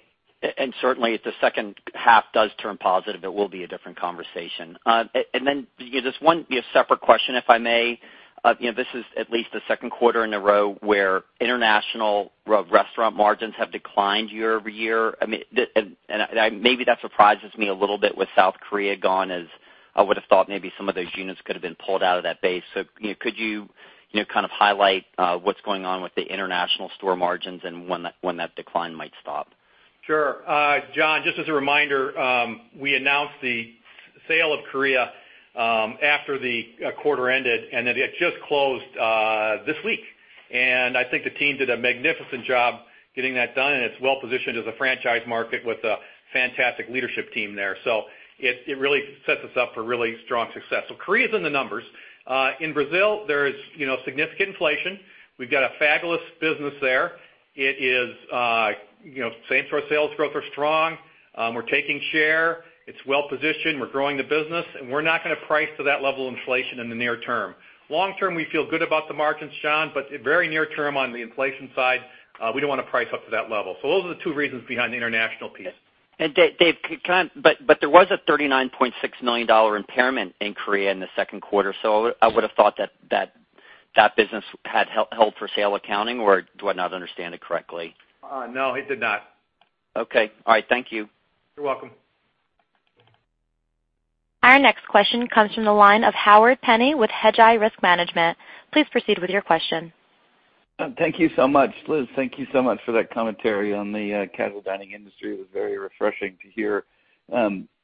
Certainly, if the second half does turn positive, it will be a different conversation. Just one separate question, if I may. This is at least the second quarter in a row where international restaurant margins have declined year-over-year. Maybe that surprises me a little bit with South Korea gone, as I would've thought maybe some of those units could have been pulled out of that base. Could you kind of highlight what's going on with the international store margins and when that decline might stop? Sure. John, just as a reminder, we announced the sale of Korea after the quarter ended, it just closed this week. I think the team did a magnificent job getting that done, it's well-positioned as a franchise market with a fantastic leadership team there. It really sets us up for really strong success. Korea's in the numbers. In Brazil, there is significant inflation. We've got a fabulous business there. Same-store sales growth are strong. We're taking share. It's well-positioned. We're growing the business, we're not going to price to that level of inflation in the near term. Long term, we feel good about the margins, John. Very near term on the inflation side, we don't want to price up to that level. Those are the two reasons behind the international piece. Dave, there was a $39.6 million impairment in Korea in the second quarter. I would've thought that that business had held for sale accounting, or do I not understand it correctly? No, it did not. Okay. All right. Thank you. You're welcome. Our next question comes from the line of Howard Penney with Hedgeye Risk Management. Please proceed with your question. Thank you so much. Liz, thank you so much for that commentary on the casual dining industry. It was very refreshing to hear.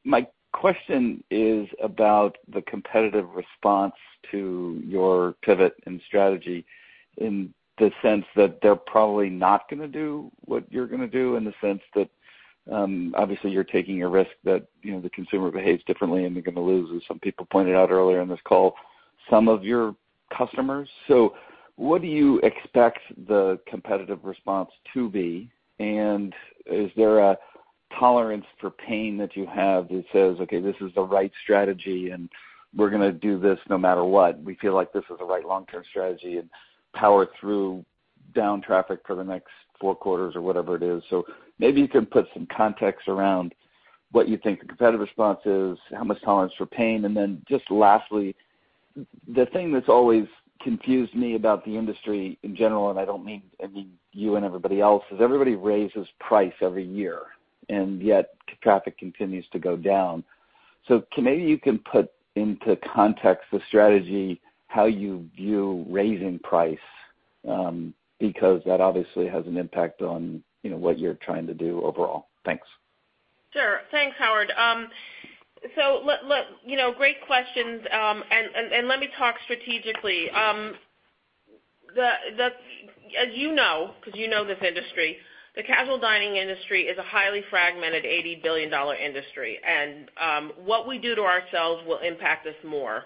My question is about the competitive response to your pivot in strategy in the sense that they're probably not going to do what you're going to do, in the sense that obviously you're taking a risk that the consumer behaves differently and you're going to lose, as some people pointed out earlier on this call, some of your customers. What do you expect the competitive response to be? Is there a tolerance for pain that you have that says, "Okay, this is the right strategy, and we're going to do this no matter what. We feel like this is the right long-term strategy and power through down traffic for the next four quarters," or whatever it is. Maybe you can put some context around what you think the competitive response is, how much tolerance for pain. Then just lastly, the thing that's always confused me about the industry in general, and I don't mean you and everybody else, is everybody raises price every year, and yet traffic continues to go down. Maybe you can put into context the strategy, how you view raising price because that obviously has an impact on what you're trying to do overall. Thanks. Sure. Thanks, Howard. Great questions, and let me talk strategically. As you know, because you know this industry, the casual dining industry is a highly fragmented $80 billion industry. What we do to ourselves will impact us more.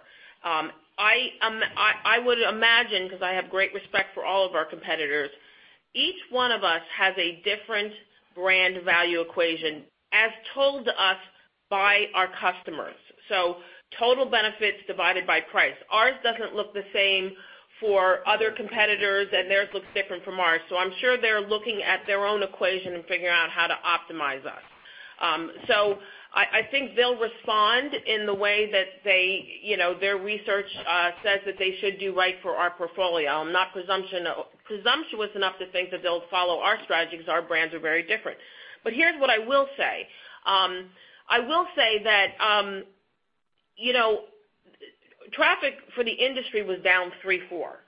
I would imagine, because I have great respect for all of our competitors, each one of us has a different brand value equation, as told to us by our customers. Total benefits divided by price. Ours doesn't look the same for other competitors, and theirs looks different from ours. I'm sure they're looking at their own equation and figuring out how to optimize us. I think they'll respond in the way that their research says that they should do right for our portfolio. I'm not presumptuous enough to think that they'll follow our strategy because our brands are very different. Here's what I will say. I will say that traffic for the industry was down three, four.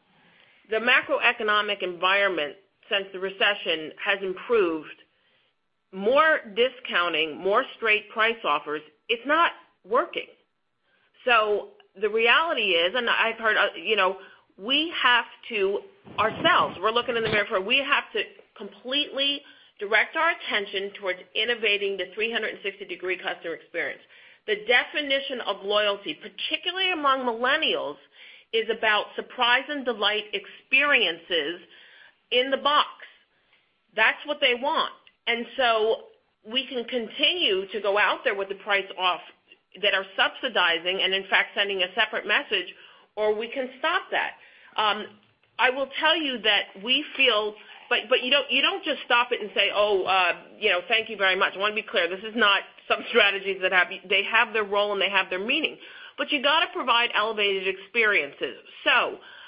The macroeconomic environment since the recession has improved. More discounting, more straight price offers, it's not working. The reality is, and I've heard, we have to ourselves, we're looking in the mirror, we have to completely direct our attention towards innovating the 360-degree customer experience. The definition of loyalty, particularly among millennials, is about surprise and delight experiences in the box. That's what they want. We can continue to go out there with the price off that are subsidizing and in fact sending a separate message, or we can stop that. I will tell you that. You don't just stop it and say, "Oh, thank you very much." I want to be clear, this is not some strategies that have their role, and they have their meaning. You got to provide elevated experiences.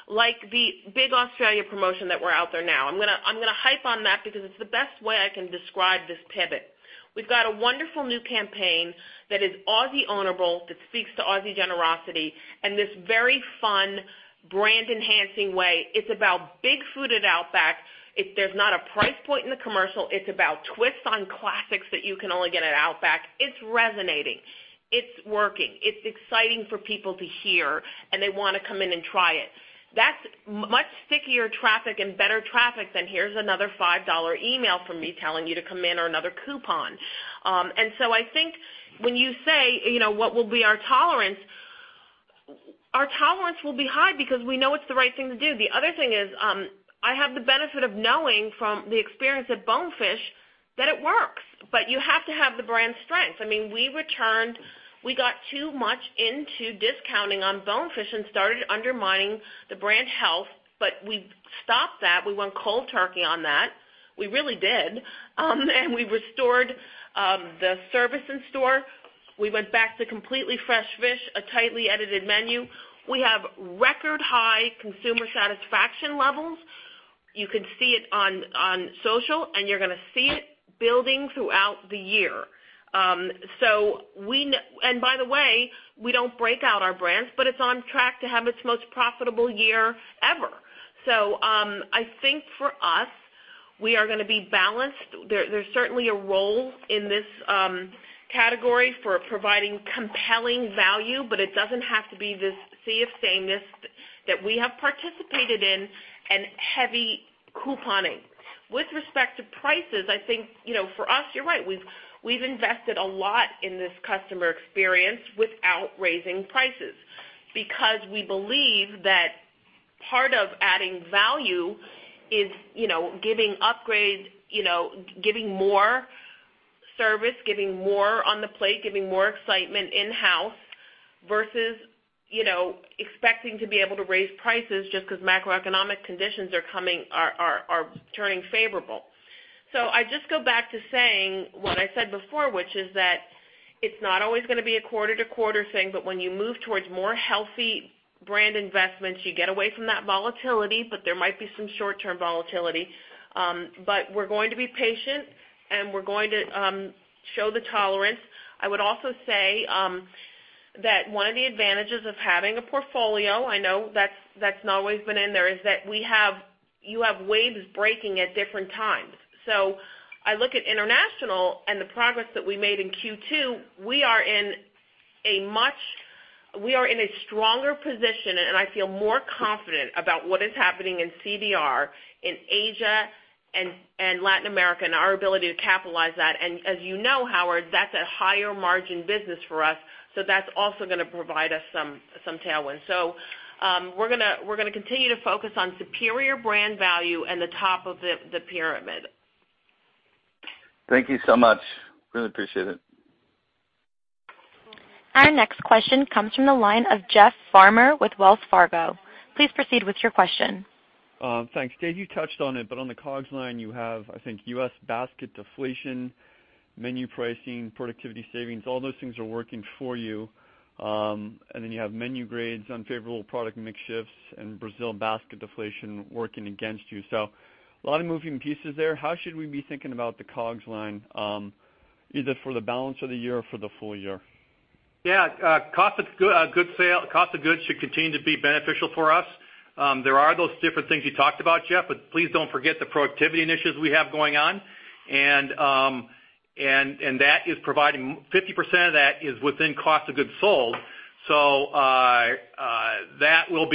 Like the Big Australia promotion that we're out there now. I'm going to hype on that because it's the best way I can describe this pivot. We've got a wonderful new campaign that is Aussie honorable, that speaks to Aussie generosity in this very fun brand-enhancing way. It's about [big food at Outback]. There's not a price point in the commercial. It's about twists on classics that you can only get at Outback. It's resonating. It's working. It's exciting for people to hear, and they want to come in and try it. That's much stickier traffic and better traffic than here's another $5 email from me telling you to come in or another coupon. I think when you say what will be our tolerance, our tolerance will be high because we know it's the right thing to do. The other thing is I have the benefit of knowing from the experience at Bonefish that it works, but you have to have the brand strength. We got too much into discounting on Bonefish and started undermining the brand health, but we stopped that. We went cold turkey on that. We really did. We restored the service in store. We went back to completely fresh fish, a tightly edited menu. We have record-high consumer satisfaction levels. You can see it on social, and you're going to see it building throughout the year. By the way, we don't break out our brands, but it's on track to have its most profitable year ever. I think for us, we are going to be balanced. There's certainly a role in this category for providing compelling value, but it doesn't have to be this sea of sameness that we have participated in and heavy couponing. With respect to prices, I think for us, you're right. We've invested a lot in this customer experience without raising prices because we believe that part of adding value is giving upgrades, giving more service, giving more on the plate, giving more excitement in-house versus expecting to be able to raise prices just because macroeconomic conditions are turning favorable. I just go back to saying what I said before, which is that it's not always going to be a quarter-to-quarter thing, but when you move towards more healthy brand investments, you get away from that volatility, but there might be some short-term volatility. We're going to be patient, and we're going to show the tolerance. I would also say that one of the advantages of having a portfolio, I know that's not always been in there, is that you have waves breaking at different times. I look at international and the progress that we made in Q2; we are in a stronger position, and I feel more confident about what is happening in CDR in Asia and Latin America and our ability to capitalize that. As you know, Howard, that's a higher margin business for us, so that's also going to provide us some tailwinds. We're going to continue to focus on superior brand value and the top of the pyramid. Thank you so much. Really appreciate it. Our next question comes from the line of Jeff Farmer with Wells Fargo. Please proceed with your question. Thanks. Dave, you touched on it, but on the COGS line you have, I think, U.S. basket deflation, menu pricing, productivity savings, all those things are working for you. You have menu grades, unfavorable product mix shifts, and Brazil basket deflation working against you. A lot of moving pieces there. How should we be thinking about the COGS line, either for the balance of the year or for the full year? Yeah. Cost of goods should continue to be beneficial for us. There are those different things you talked about, Jeff, but please don't forget the productivity initiatives we have going on. 50% of that is within cost of goods sold, so that will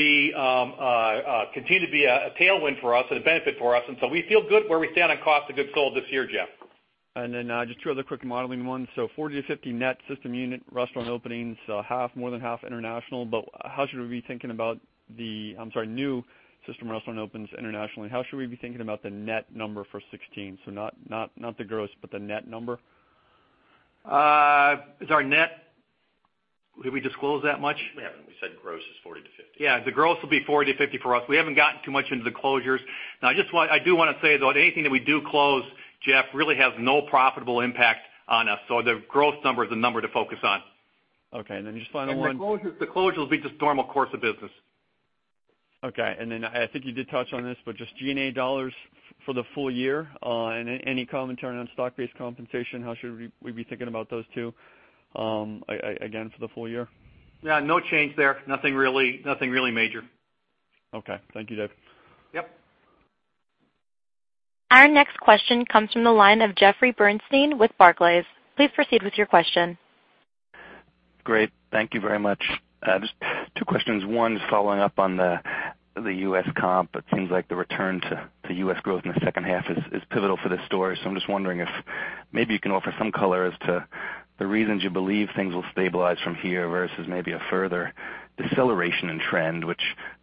continue to be a tailwind for us and a benefit for us. We feel good where we stand on cost of goods sold this year, Jeff. Just 2 other quick modeling ones. 40-50 net system unit restaurant openings, more than half international. How should we be thinking about new system restaurant opens internationally. How should we be thinking about the net number for 2016? Not the gross, but the net number. Sorry, net? Did we disclose that much? We haven't. We said gross is 40-50. The gross will be 40 to 50 for us. We haven't gotten too much into the closures. I do want to say, though, anything that we do close, Jeff, really has no profitable impact on us. The gross number is the number to focus on. Okay, just final one. The closures will be just normal course of business. Okay. I think you did touch on this, just G&A dollars for the full year. Any commentary on stock-based compensation? How should we be thinking about those two again for the full year? Yeah, no change there. Nothing really major. Okay. Thank you, Dave. Yep. Our next question comes from the line of Jeffrey Bernstein with Barclays. Please proceed with your question. Great. Thank you very much. Just two questions. One following up on the U.S. comp. It seems like the return to U.S. growth in the second half is pivotal for this story. I'm just wondering if maybe you can offer some color as to the reasons you believe things will stabilize from here versus maybe a further deceleration in trend, which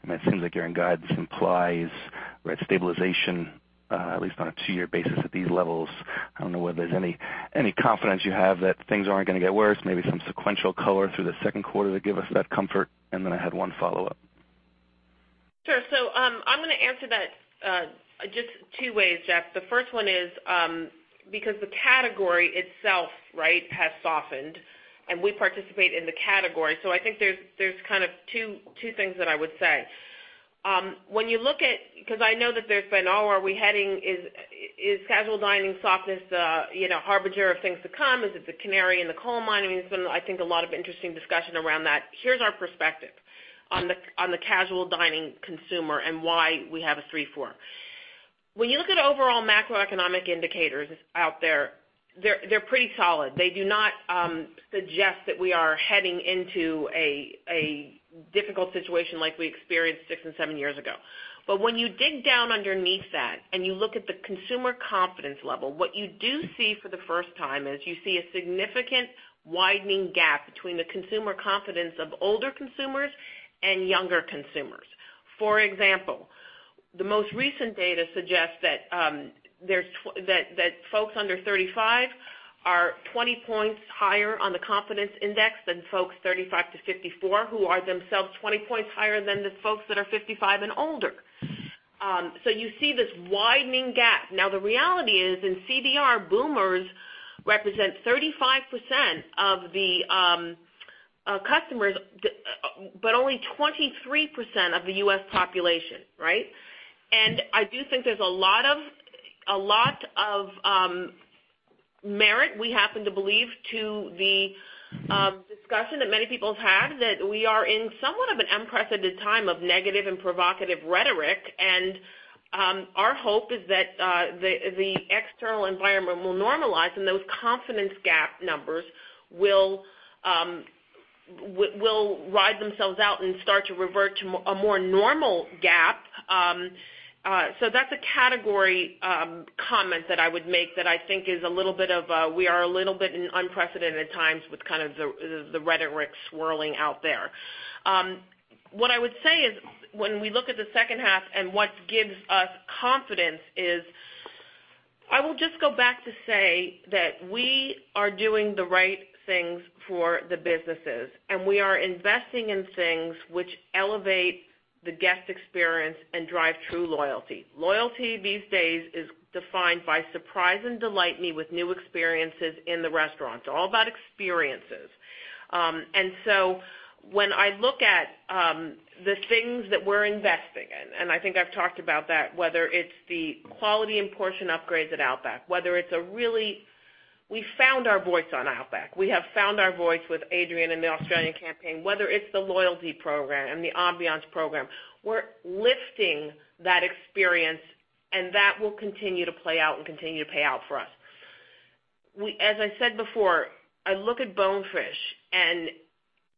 it seems like your guidance implies we're at stabilization at least on a two-year basis at these levels. I don't know whether there's any confidence you have that things aren't going to get worse, maybe some sequential color through the second quarter to give us that comfort. I had one follow-up. Sure. I'm going to answer that just two ways, Jeff. The first one is because the category itself has softened and we participate in the category. I think there's kind of two things that I would say. When you look at, because I know that there's been, "Oh, where are we heading? Is casual dining softness a harbinger of things to come? Is it the canary in the coal mine?" There's been, I think, a lot of interesting discussion around that. Here's our perspective on the casual dining consumer and why we have a three, four. When you look at overall macroeconomic indicators out there, they're pretty solid. They do not suggest that we are heading into a difficult situation like we experienced six and seven years ago. When you dig down underneath that and you look at the consumer confidence level, what you do see for the first time is you see a significant widening gap between the consumer confidence of older consumers and younger consumers. For example, the most recent data suggests that folks under 35 are 20 points higher on the confidence index than folks 35 to 54, who are themselves 20 points higher than the folks that are 55 and older. You see this widening gap. The reality is, in CDR, boomers represent 35% of the customers, but only 23% of the U.S. population. Right? I do think there's a lot of merit, we happen to believe, to the discussion that many people have had, that we are in somewhat of an unprecedented time of negative and provocative rhetoric. Our hope is that the external environment will normalize and those confidence gap numbers will ride themselves out and start to revert to a more normal gap. That's a category comment that I would make that I think is a little bit of a, we are a little bit in unprecedented times with kind of the rhetoric swirling out there. What I would say is, when we look at the second half and what gives us confidence is, I will just go back to say that we are doing the right things for the businesses, and we are investing in things which elevate the guest experience and drive true loyalty. Loyalty these days is defined by surprise and delight me with new experiences in the restaurants. It's all about experiences. When I look at the things that we're investing in, and I think I've talked about that, whether it's the quality and portion upgrades at Outback, whether it's a really We've found our voice on Outback. We have found our voice with Adrian and the Australian campaign, whether it's the loyalty program and the ambiance program. We're lifting that experience, and that will continue to play out and continue to pay out for us. As I said before, I look at Bonefish, and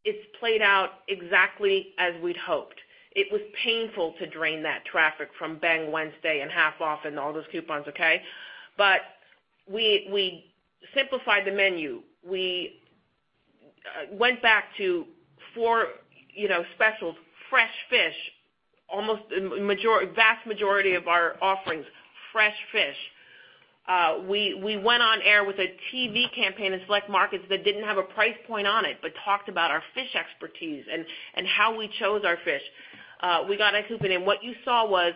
it's played out exactly as we'd hoped. It was painful to drain that traffic from Bang Wednesdays and half off and all those coupons, okay? We simplified the menu. We went back to four specials, fresh fish, vast majority of our offerings, fresh fish. We went on air with a TV campaign in select markets that didn't have a price point on it but talked about our fish expertise and how we chose our fish. We got our coupon in. What you saw was,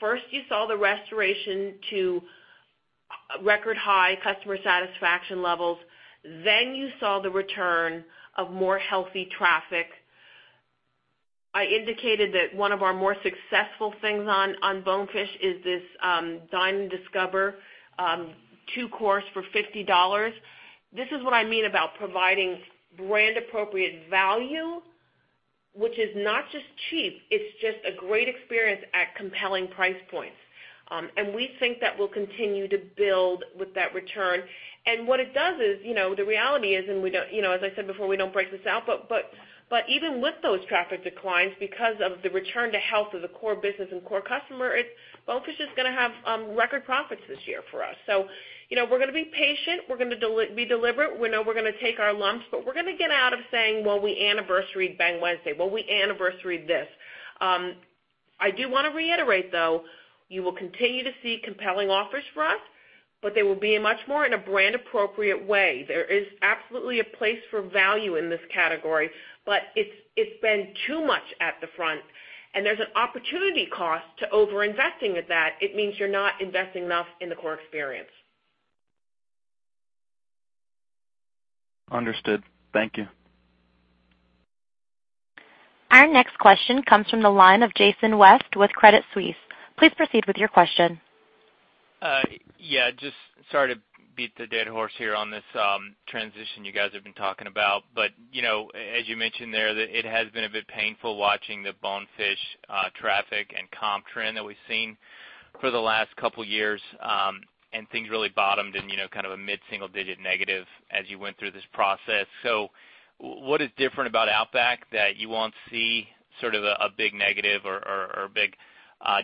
first you saw the restoration to record high customer satisfaction levels, then you saw the return of more healthy traffic. I indicated that one of our more successful things on Bonefish is this Dine and Discover two course for $50. This is what I mean about providing brand appropriate value, which is not just cheap, it's just a great experience at compelling price points. We think that will continue to build with that return. What it does is, the reality is, as I said before, we don't break this out, even with those traffic declines, because of the return to health of the core business and core customer, Bonefish is going to have record profits this year for us. We're going to be patient, we're going to be deliberate. We know we're going to take our lumps, but we're going to get out of saying, "Well, we anniversaried Bang Wednesday. Well, we anniversaried this." I do want to reiterate, though, you will continue to see compelling offers from us, but they will be much more in a brand appropriate way. There is absolutely a place for value in this category, but it's been too much at the front, and there's an opportunity cost to over-investing at that. It means you're not investing enough in the core experience. Understood. Thank you. Our next question comes from the line of Jason West with Credit Suisse. Please proceed with your question. Yeah. Just sorry to beat the dead horse here on this transition you guys have been talking about. As you mentioned there, that it has been a bit painful watching the Bonefish traffic and comp trend that we've seen for the last 2 years, and things really bottomed in kind of a mid-single digit negative as you went through this process. What is different about Outback that you won't see sort of a big negative or a big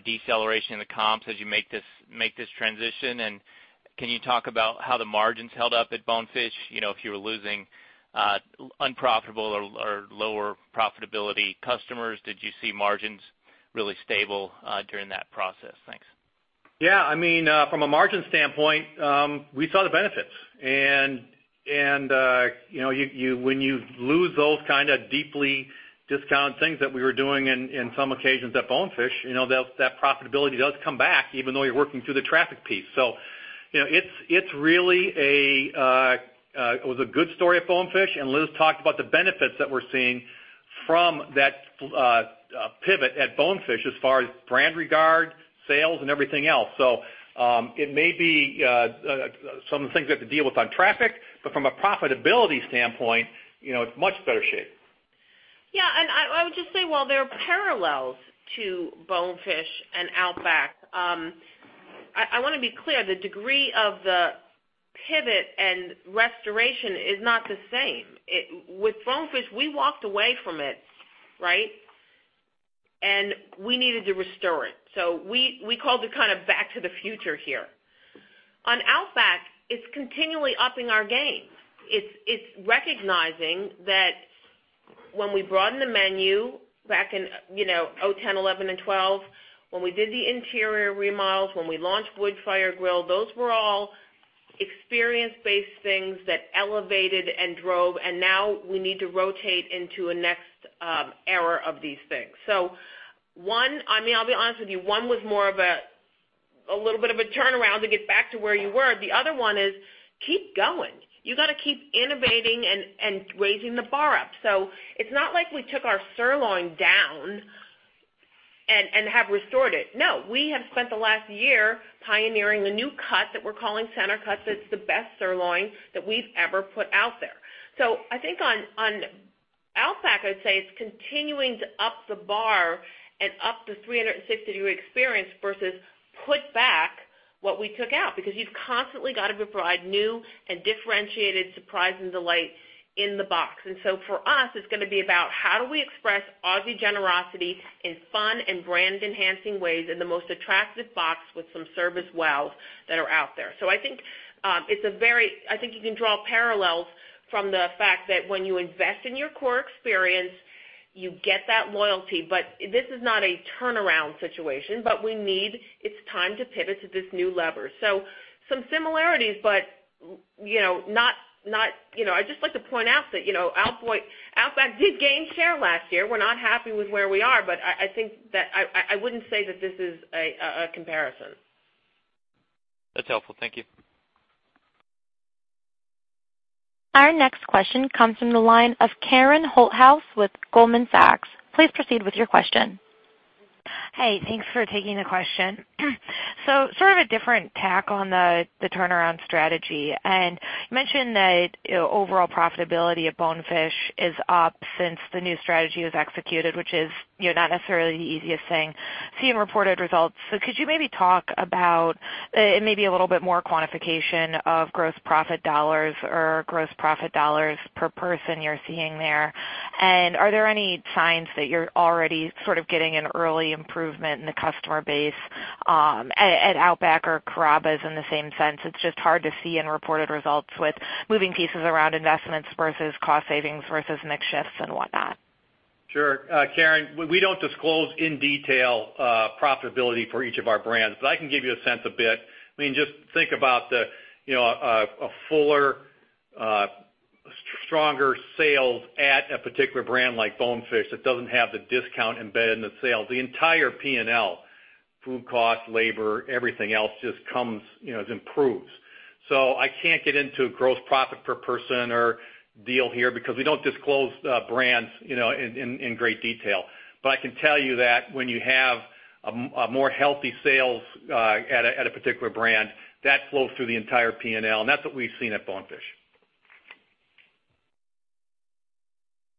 deceleration in the comps as you make this transition? Can you talk about how the margins held up at Bonefish? If you were losing unprofitable or lower profitability customers, did you see margins really stable during that process? Thanks. Yeah. From a margin standpoint, we saw the benefits. When you lose those kind of deeply discounted things that we were doing in some occasions at Bonefish, that profitability does come back even though you're working through the traffic piece. It's really a good story at Bonefish. Liz talked about the benefits that we're seeing from that pivot at Bonefish as far as brand regard, sales, and everything else. It may be some of the things we have to deal with on traffic, but from a profitability standpoint, it's much better shape. Yeah. I would just say while there are parallels to Bonefish and Outback, I want to be clear, the degree of the pivot and restoration is not the same. With Bonefish, we walked away from it, right? We needed to restore it. We called it kind of back to the future here. On Outback, it's continually upping our game. It's recognizing that when we broaden the menu back in 2010, 2011, and 2012, when we did the interior remodels, when we launched Wood-Fire Grill, those were all experience-based things that elevated and drove, and now we need to rotate into a next era of these things. I'll be honest with you, one was more of a little bit of a turnaround to get back to where you were. The other one is keep going. You got to keep innovating and raising the bar up. It is not like we took our sirloin down and have restored it. No, we have spent the last year pioneering a new cut that we are calling Center-Cut that is the best sirloin that we have ever put out there. I think on Outback Steakhouse, I would say it is continuing to up the bar and up the 360-degree experience versus put back what we took out, because you have constantly got to provide new and differentiated surprise and delight in the box. For us, it is going to be about how do we express Aussie generosity in fun and brand-enhancing ways in the most attractive box with some service wows that are out there. I think you can draw parallels from the fact that when you invest in your core experience, you get that loyalty. This is not a turnaround situation, but it is time to pivot to this new lever. Some similarities, but I would just like to point out that Outback Steakhouse did gain share last year. We are not happy with where we are, but I think that I would not say that this is a comparison. That is helpful. Thank you. Our next question comes from the line of Karen Holthouse with Goldman Sachs. Please proceed with your question. Hey, thanks for taking the question. Sort of a different tack on the turnaround strategy. You mentioned that overall profitability at Bonefish is up since the new strategy was executed, which is not necessarily the easiest thing seeing reported results. Could you maybe talk about maybe a little bit more quantification of gross profit dollars or gross profit dollars per person you're seeing there? Are there any signs that you're already sort of getting an early improvement in the customer base at Outback or Carrabba's in the same sense? It's just hard to see in reported results with moving pieces around investments versus cost savings versus mix shifts and whatnot. Sure. Karen, we don't disclose in detail profitability for each of our brands, but I can give you a sense a bit. Just think about a fuller, stronger sales at a particular brand like Bonefish that doesn't have the discount embedded in the sale. The entire P&L, food cost, labor, everything else just improves. I can't get into gross profit per person or deal here because we don't disclose brands in great detail. I can tell you that when you have a more healthy sales at a particular brand, that flows through the entire P&L, and that's what we've seen at Bonefish.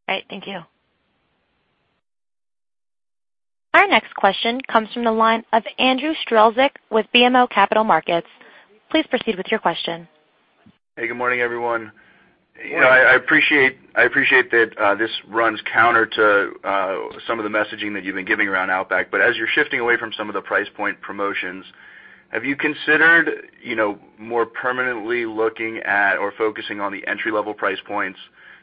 All right. Thank you. Our next question comes from the line of Andrew Strelzik with BMO Capital Markets. Please proceed with your question. Hey, good morning, everyone. Good morning. I appreciate that this runs counter to some of the messaging that you've been giving around Outback, as you're shifting away from some of the price point promotions, have you considered more permanently looking at or focusing on the entry level price points?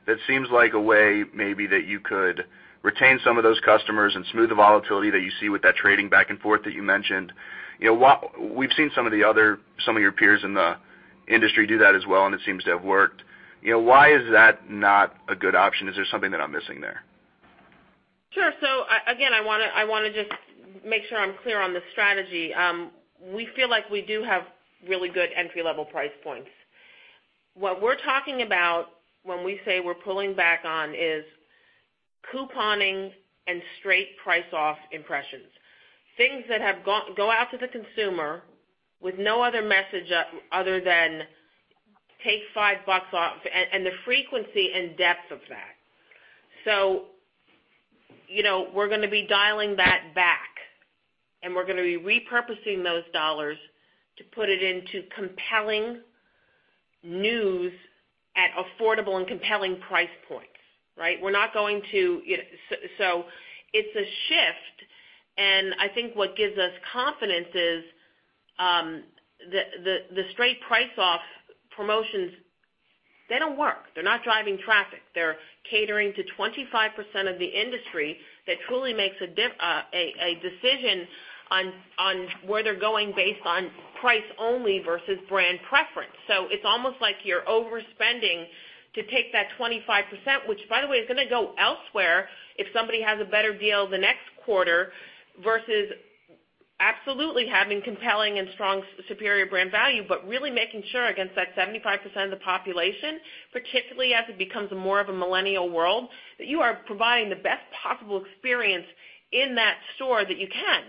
That seems like a way maybe that you could retain some of those customers and smooth the volatility that you see with that trading back and forth that you mentioned. We've seen some of your peers in the industry do that as well, and it seems to have worked. Why is that not a good option? Is there something that I'm missing there? Sure. Again, I want to just make sure I'm clear on the strategy. We feel like we do have really good entry level price points. What we're talking about when we say we're pulling back on is couponing and straight price off impressions. Things that go out to the consumer with no other message other than take $5 off, the frequency and depth of that. We're going to be dialing that back, we're going to be repurposing those dollars to put it into compelling news at affordable and compelling price points, right? It's a shift, I think what gives us confidence is the straight price off promotions, they don't work. They're not driving traffic. They're catering to 25% of the industry that truly makes a decision on where they're going based on price only versus brand preference. It's almost like you're overspending to take that 25%, which by the way, is going to go elsewhere if somebody has a better deal the next quarter Versus absolutely having compelling and strong superior brand value, but really making sure against that 75% of the population, particularly as it becomes more of a millennial world, that you are providing the best possible experience in that store that you can.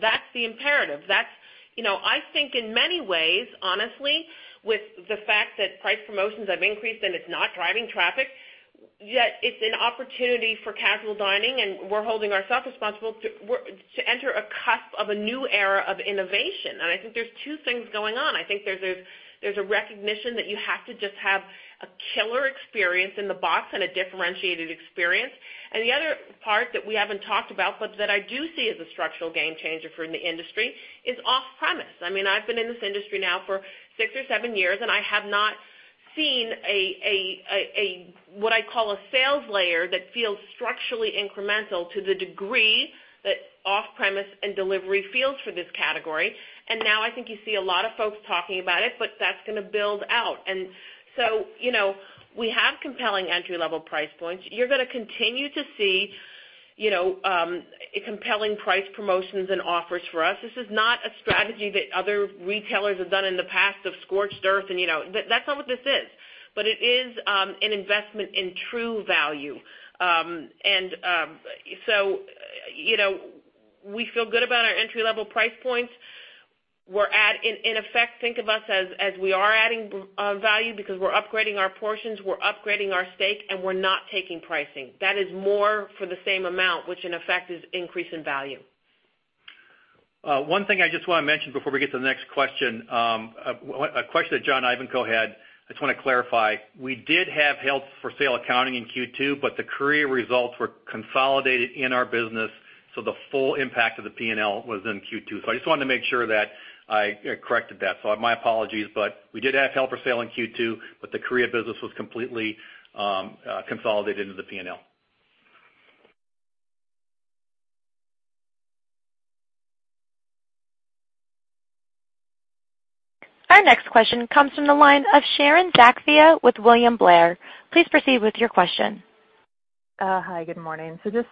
That's the imperative. I think in many ways, honestly, with the fact that price promotions have increased and it's not driving traffic, yet it's an opportunity for casual dining, and we're holding ourselves responsible to enter a cusp of a new era of innovation. I think there's two things going on. I think there's a recognition that you have to just have a killer experience in the box and a differentiated experience. The other part that we haven't talked about, but that I do see as a structural game changer for the industry, is off-premise. I've been in this industry now for six or seven years, and I have not seen what I call a sales layer that feels structurally incremental to the degree that off-premise and delivery feels for this category. Now I think you see a lot of folks talking about it, but that's going to build out. We have compelling entry-level price points. You're going to continue to see compelling price promotions and offers for us. This is not a strategy that other retailers have done in the past of scorched earth, that's not what this is. It is an investment in true value. We feel good about our entry-level price points. In effect, think of us as we are adding value because we're upgrading our portions, we're upgrading our steak, and we're not taking pricing. That is more for the same amount, which in effect is increase in value. One thing I just want to mention before we get to the next question. A question that John Ivankoe had, I just want to clarify. We did have held-for-sale accounting in Q2, the Korea results were consolidated in our business, so the full impact of the P&L was in Q2. I just wanted to make sure that I corrected that. My apologies, we did have held-for-sale in Q2, the Korea business was completely consolidated into the P&L. Our next question comes from the line of Sharon Zackfia with William Blair. Please proceed with your question. Hi, good morning. Just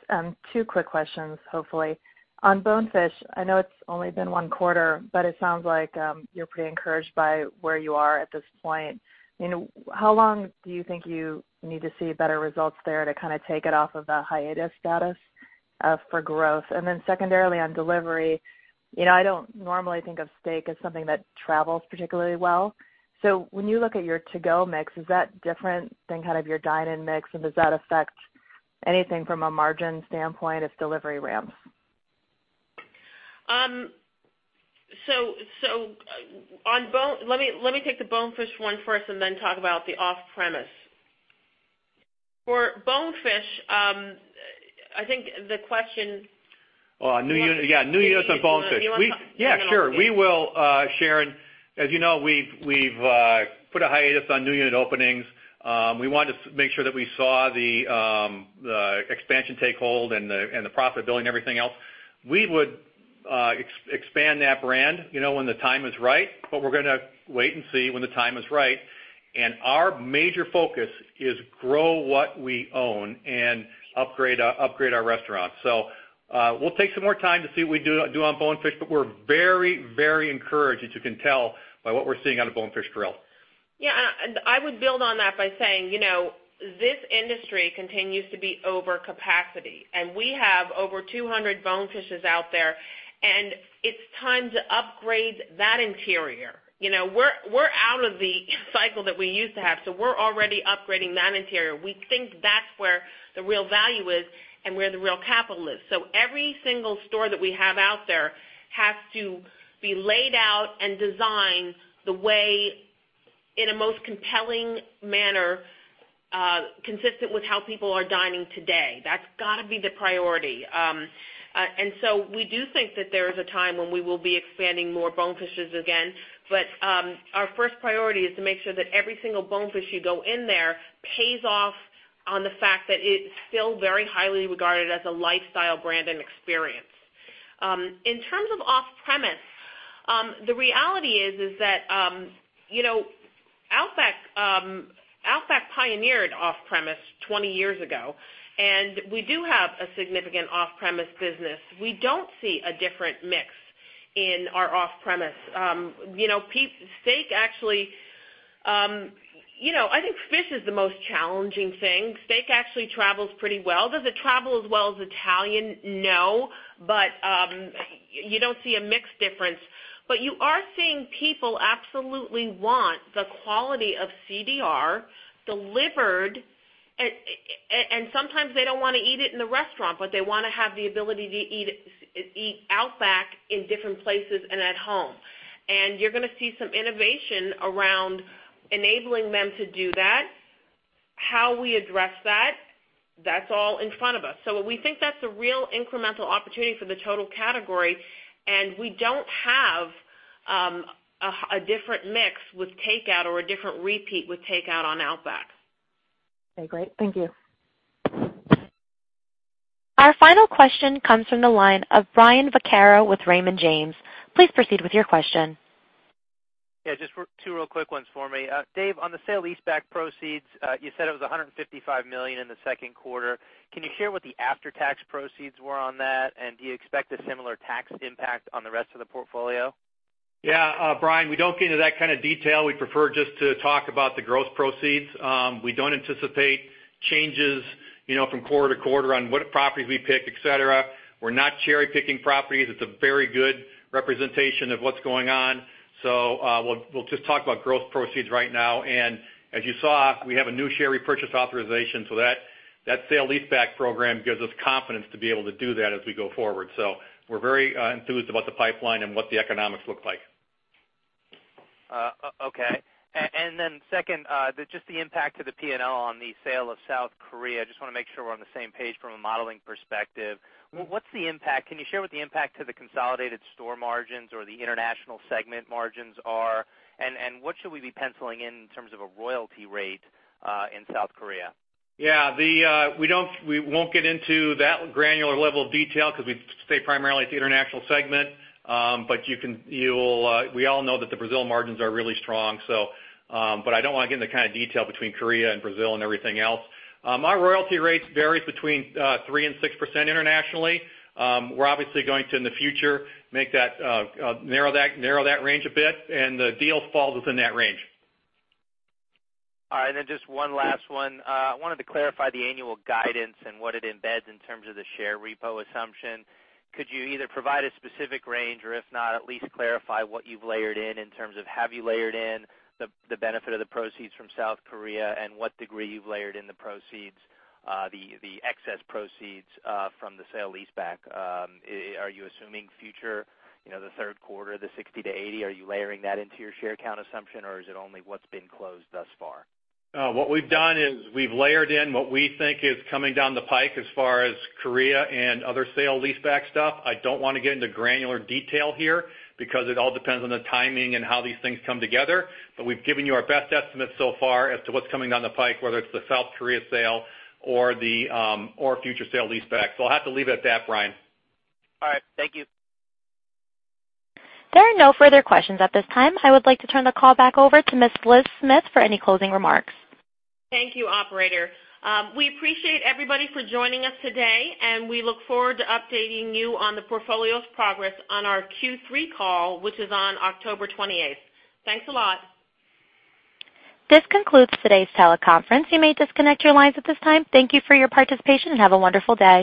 two quick questions, hopefully. On Bonefish, I know it's only been one quarter, but it sounds like you're pretty encouraged by where you are at this point. How long do you think you need to see better results there to take it off of the hiatus status for growth? Secondarily, on delivery, I don't normally think of steak as something that travels particularly well. When you look at your to-go mix, is that different than your dine-in mix, and does that affect anything from a margin standpoint if delivery ramps? Let me take the Bonefish one first and then talk about the off-premise. For Bonefish, Yeah, new units on Bonefish. You want me? Yeah, sure. We will, Sharon. As you know, we've put a hiatus on new unit openings. We wanted to make sure that we saw the expansion take hold and the profitability and everything else. We would expand that brand when the time is right, but we're going to wait and see when the time is right, and our major focus is grow what we own and upgrade our restaurants. We'll take some more time to see what we do on Bonefish, but we're very encouraged, as you can tell by what we're seeing out of Bonefish Grill. Yeah, I would build on that by saying, this industry continues to be over capacity, and we have over 200 Bonefishes out there, and it's time to upgrade that interior. We're out of the cycle that we used to have, so we're already upgrading that interior. We think that's where the real value is and where the real capital is. Every single store that we have out there has to be laid out and designed the way in a most compelling manner, consistent with how people are dining today. That's got to be the priority. We do think that there is a time when we will be expanding more Bonefishes again. Our first priority is to make sure that every single Bonefish you go in there pays off on the fact that it's still very highly regarded as a lifestyle brand and experience. In terms of off-premise, the reality is that Outback pioneered off-premise 20 years ago, and we do have a significant off-premise business. We don't see a different mix in our off-premise. I think fish is the most challenging thing. Steak actually travels pretty well. Does it travel as well as Italian? No, you don't see a mix difference. You are seeing people absolutely want the quality of CDR delivered, and sometimes they don't want to eat it in the restaurant, but they want to have the ability to eat Outback in different places and at home. You're going to see some innovation around enabling them to do that. How we address that's all in front of us. We think that's a real incremental opportunity for the total category, and we don't have a different mix with takeout or a different repeat with takeout on Outback. Okay, great. Thank you. Our final question comes from the line of Brian Vaccaro with Raymond James. Please proceed with your question. Yeah, just two real quick ones for me. Dave, on the sale leaseback proceeds, you said it was $155 million in the second quarter. Do you expect a similar tax impact on the rest of the portfolio? Yeah, Brian, we don't get into that kind of detail. We prefer just to talk about the gross proceeds. We don't anticipate changes from quarter to quarter on what properties we pick, et cetera. We're not cherry-picking properties. It's a very good representation of what's going on. We'll just talk about gross proceeds right now. As you saw, we have a new share repurchase authorization, that sale leaseback program gives us confidence to be able to do that as we go forward. We're very enthused about the pipeline and what the economics look like. Okay. Second, just the impact to the P&L on the sale of South Korea. Just want to make sure we're on the same page from a modeling perspective. What's the impact? Can you share what the impact to the consolidated store margins or the international segment margins are? What should we be penciling in in terms of a royalty rate in South Korea? Yeah. We won't get into that granular level of detail because we stay primarily at the international segment. We all know that the Brazil margins are really strong. I don't want to get into kind of detail between Korea and Brazil and everything else. Our royalty rates vary between 3% and 6% internationally. We're obviously going to, in the future, narrow that range a bit. The deal falls within that range. All right. Just one last one. I wanted to clarify the annual guidance and what it embeds in terms of the share repo assumption. Could you either provide a specific range or if not, at least clarify what you've layered in terms of have you layered in the benefit of the proceeds from South Korea and what degree you've layered in the excess proceeds from the sale leaseback? Are you assuming future, the third quarter, the 60-80? Are you layering that into your share count assumption, or is it only what's been closed thus far? What we've done is we've layered in what we think is coming down the pike as far as Korea and other sale leaseback stuff. I don't want to get into granular detail here because it all depends on the timing and how these things come together. We've given you our best estimate so far as to what's coming down the pike, whether it's the South Korea sale or future sale leaseback. I'll have to leave it at that, Brian. All right. Thank you. There are no further questions at this time. I would like to turn the call back over to Ms. Liz Smith for any closing remarks. Thank you, operator. We appreciate everybody for joining us today, and we look forward to updating you on the portfolio's progress on our Q3 call, which is on October 28th. Thanks a lot. This concludes today's teleconference. You may disconnect your lines at this time. Thank you for your participation, and have a wonderful day.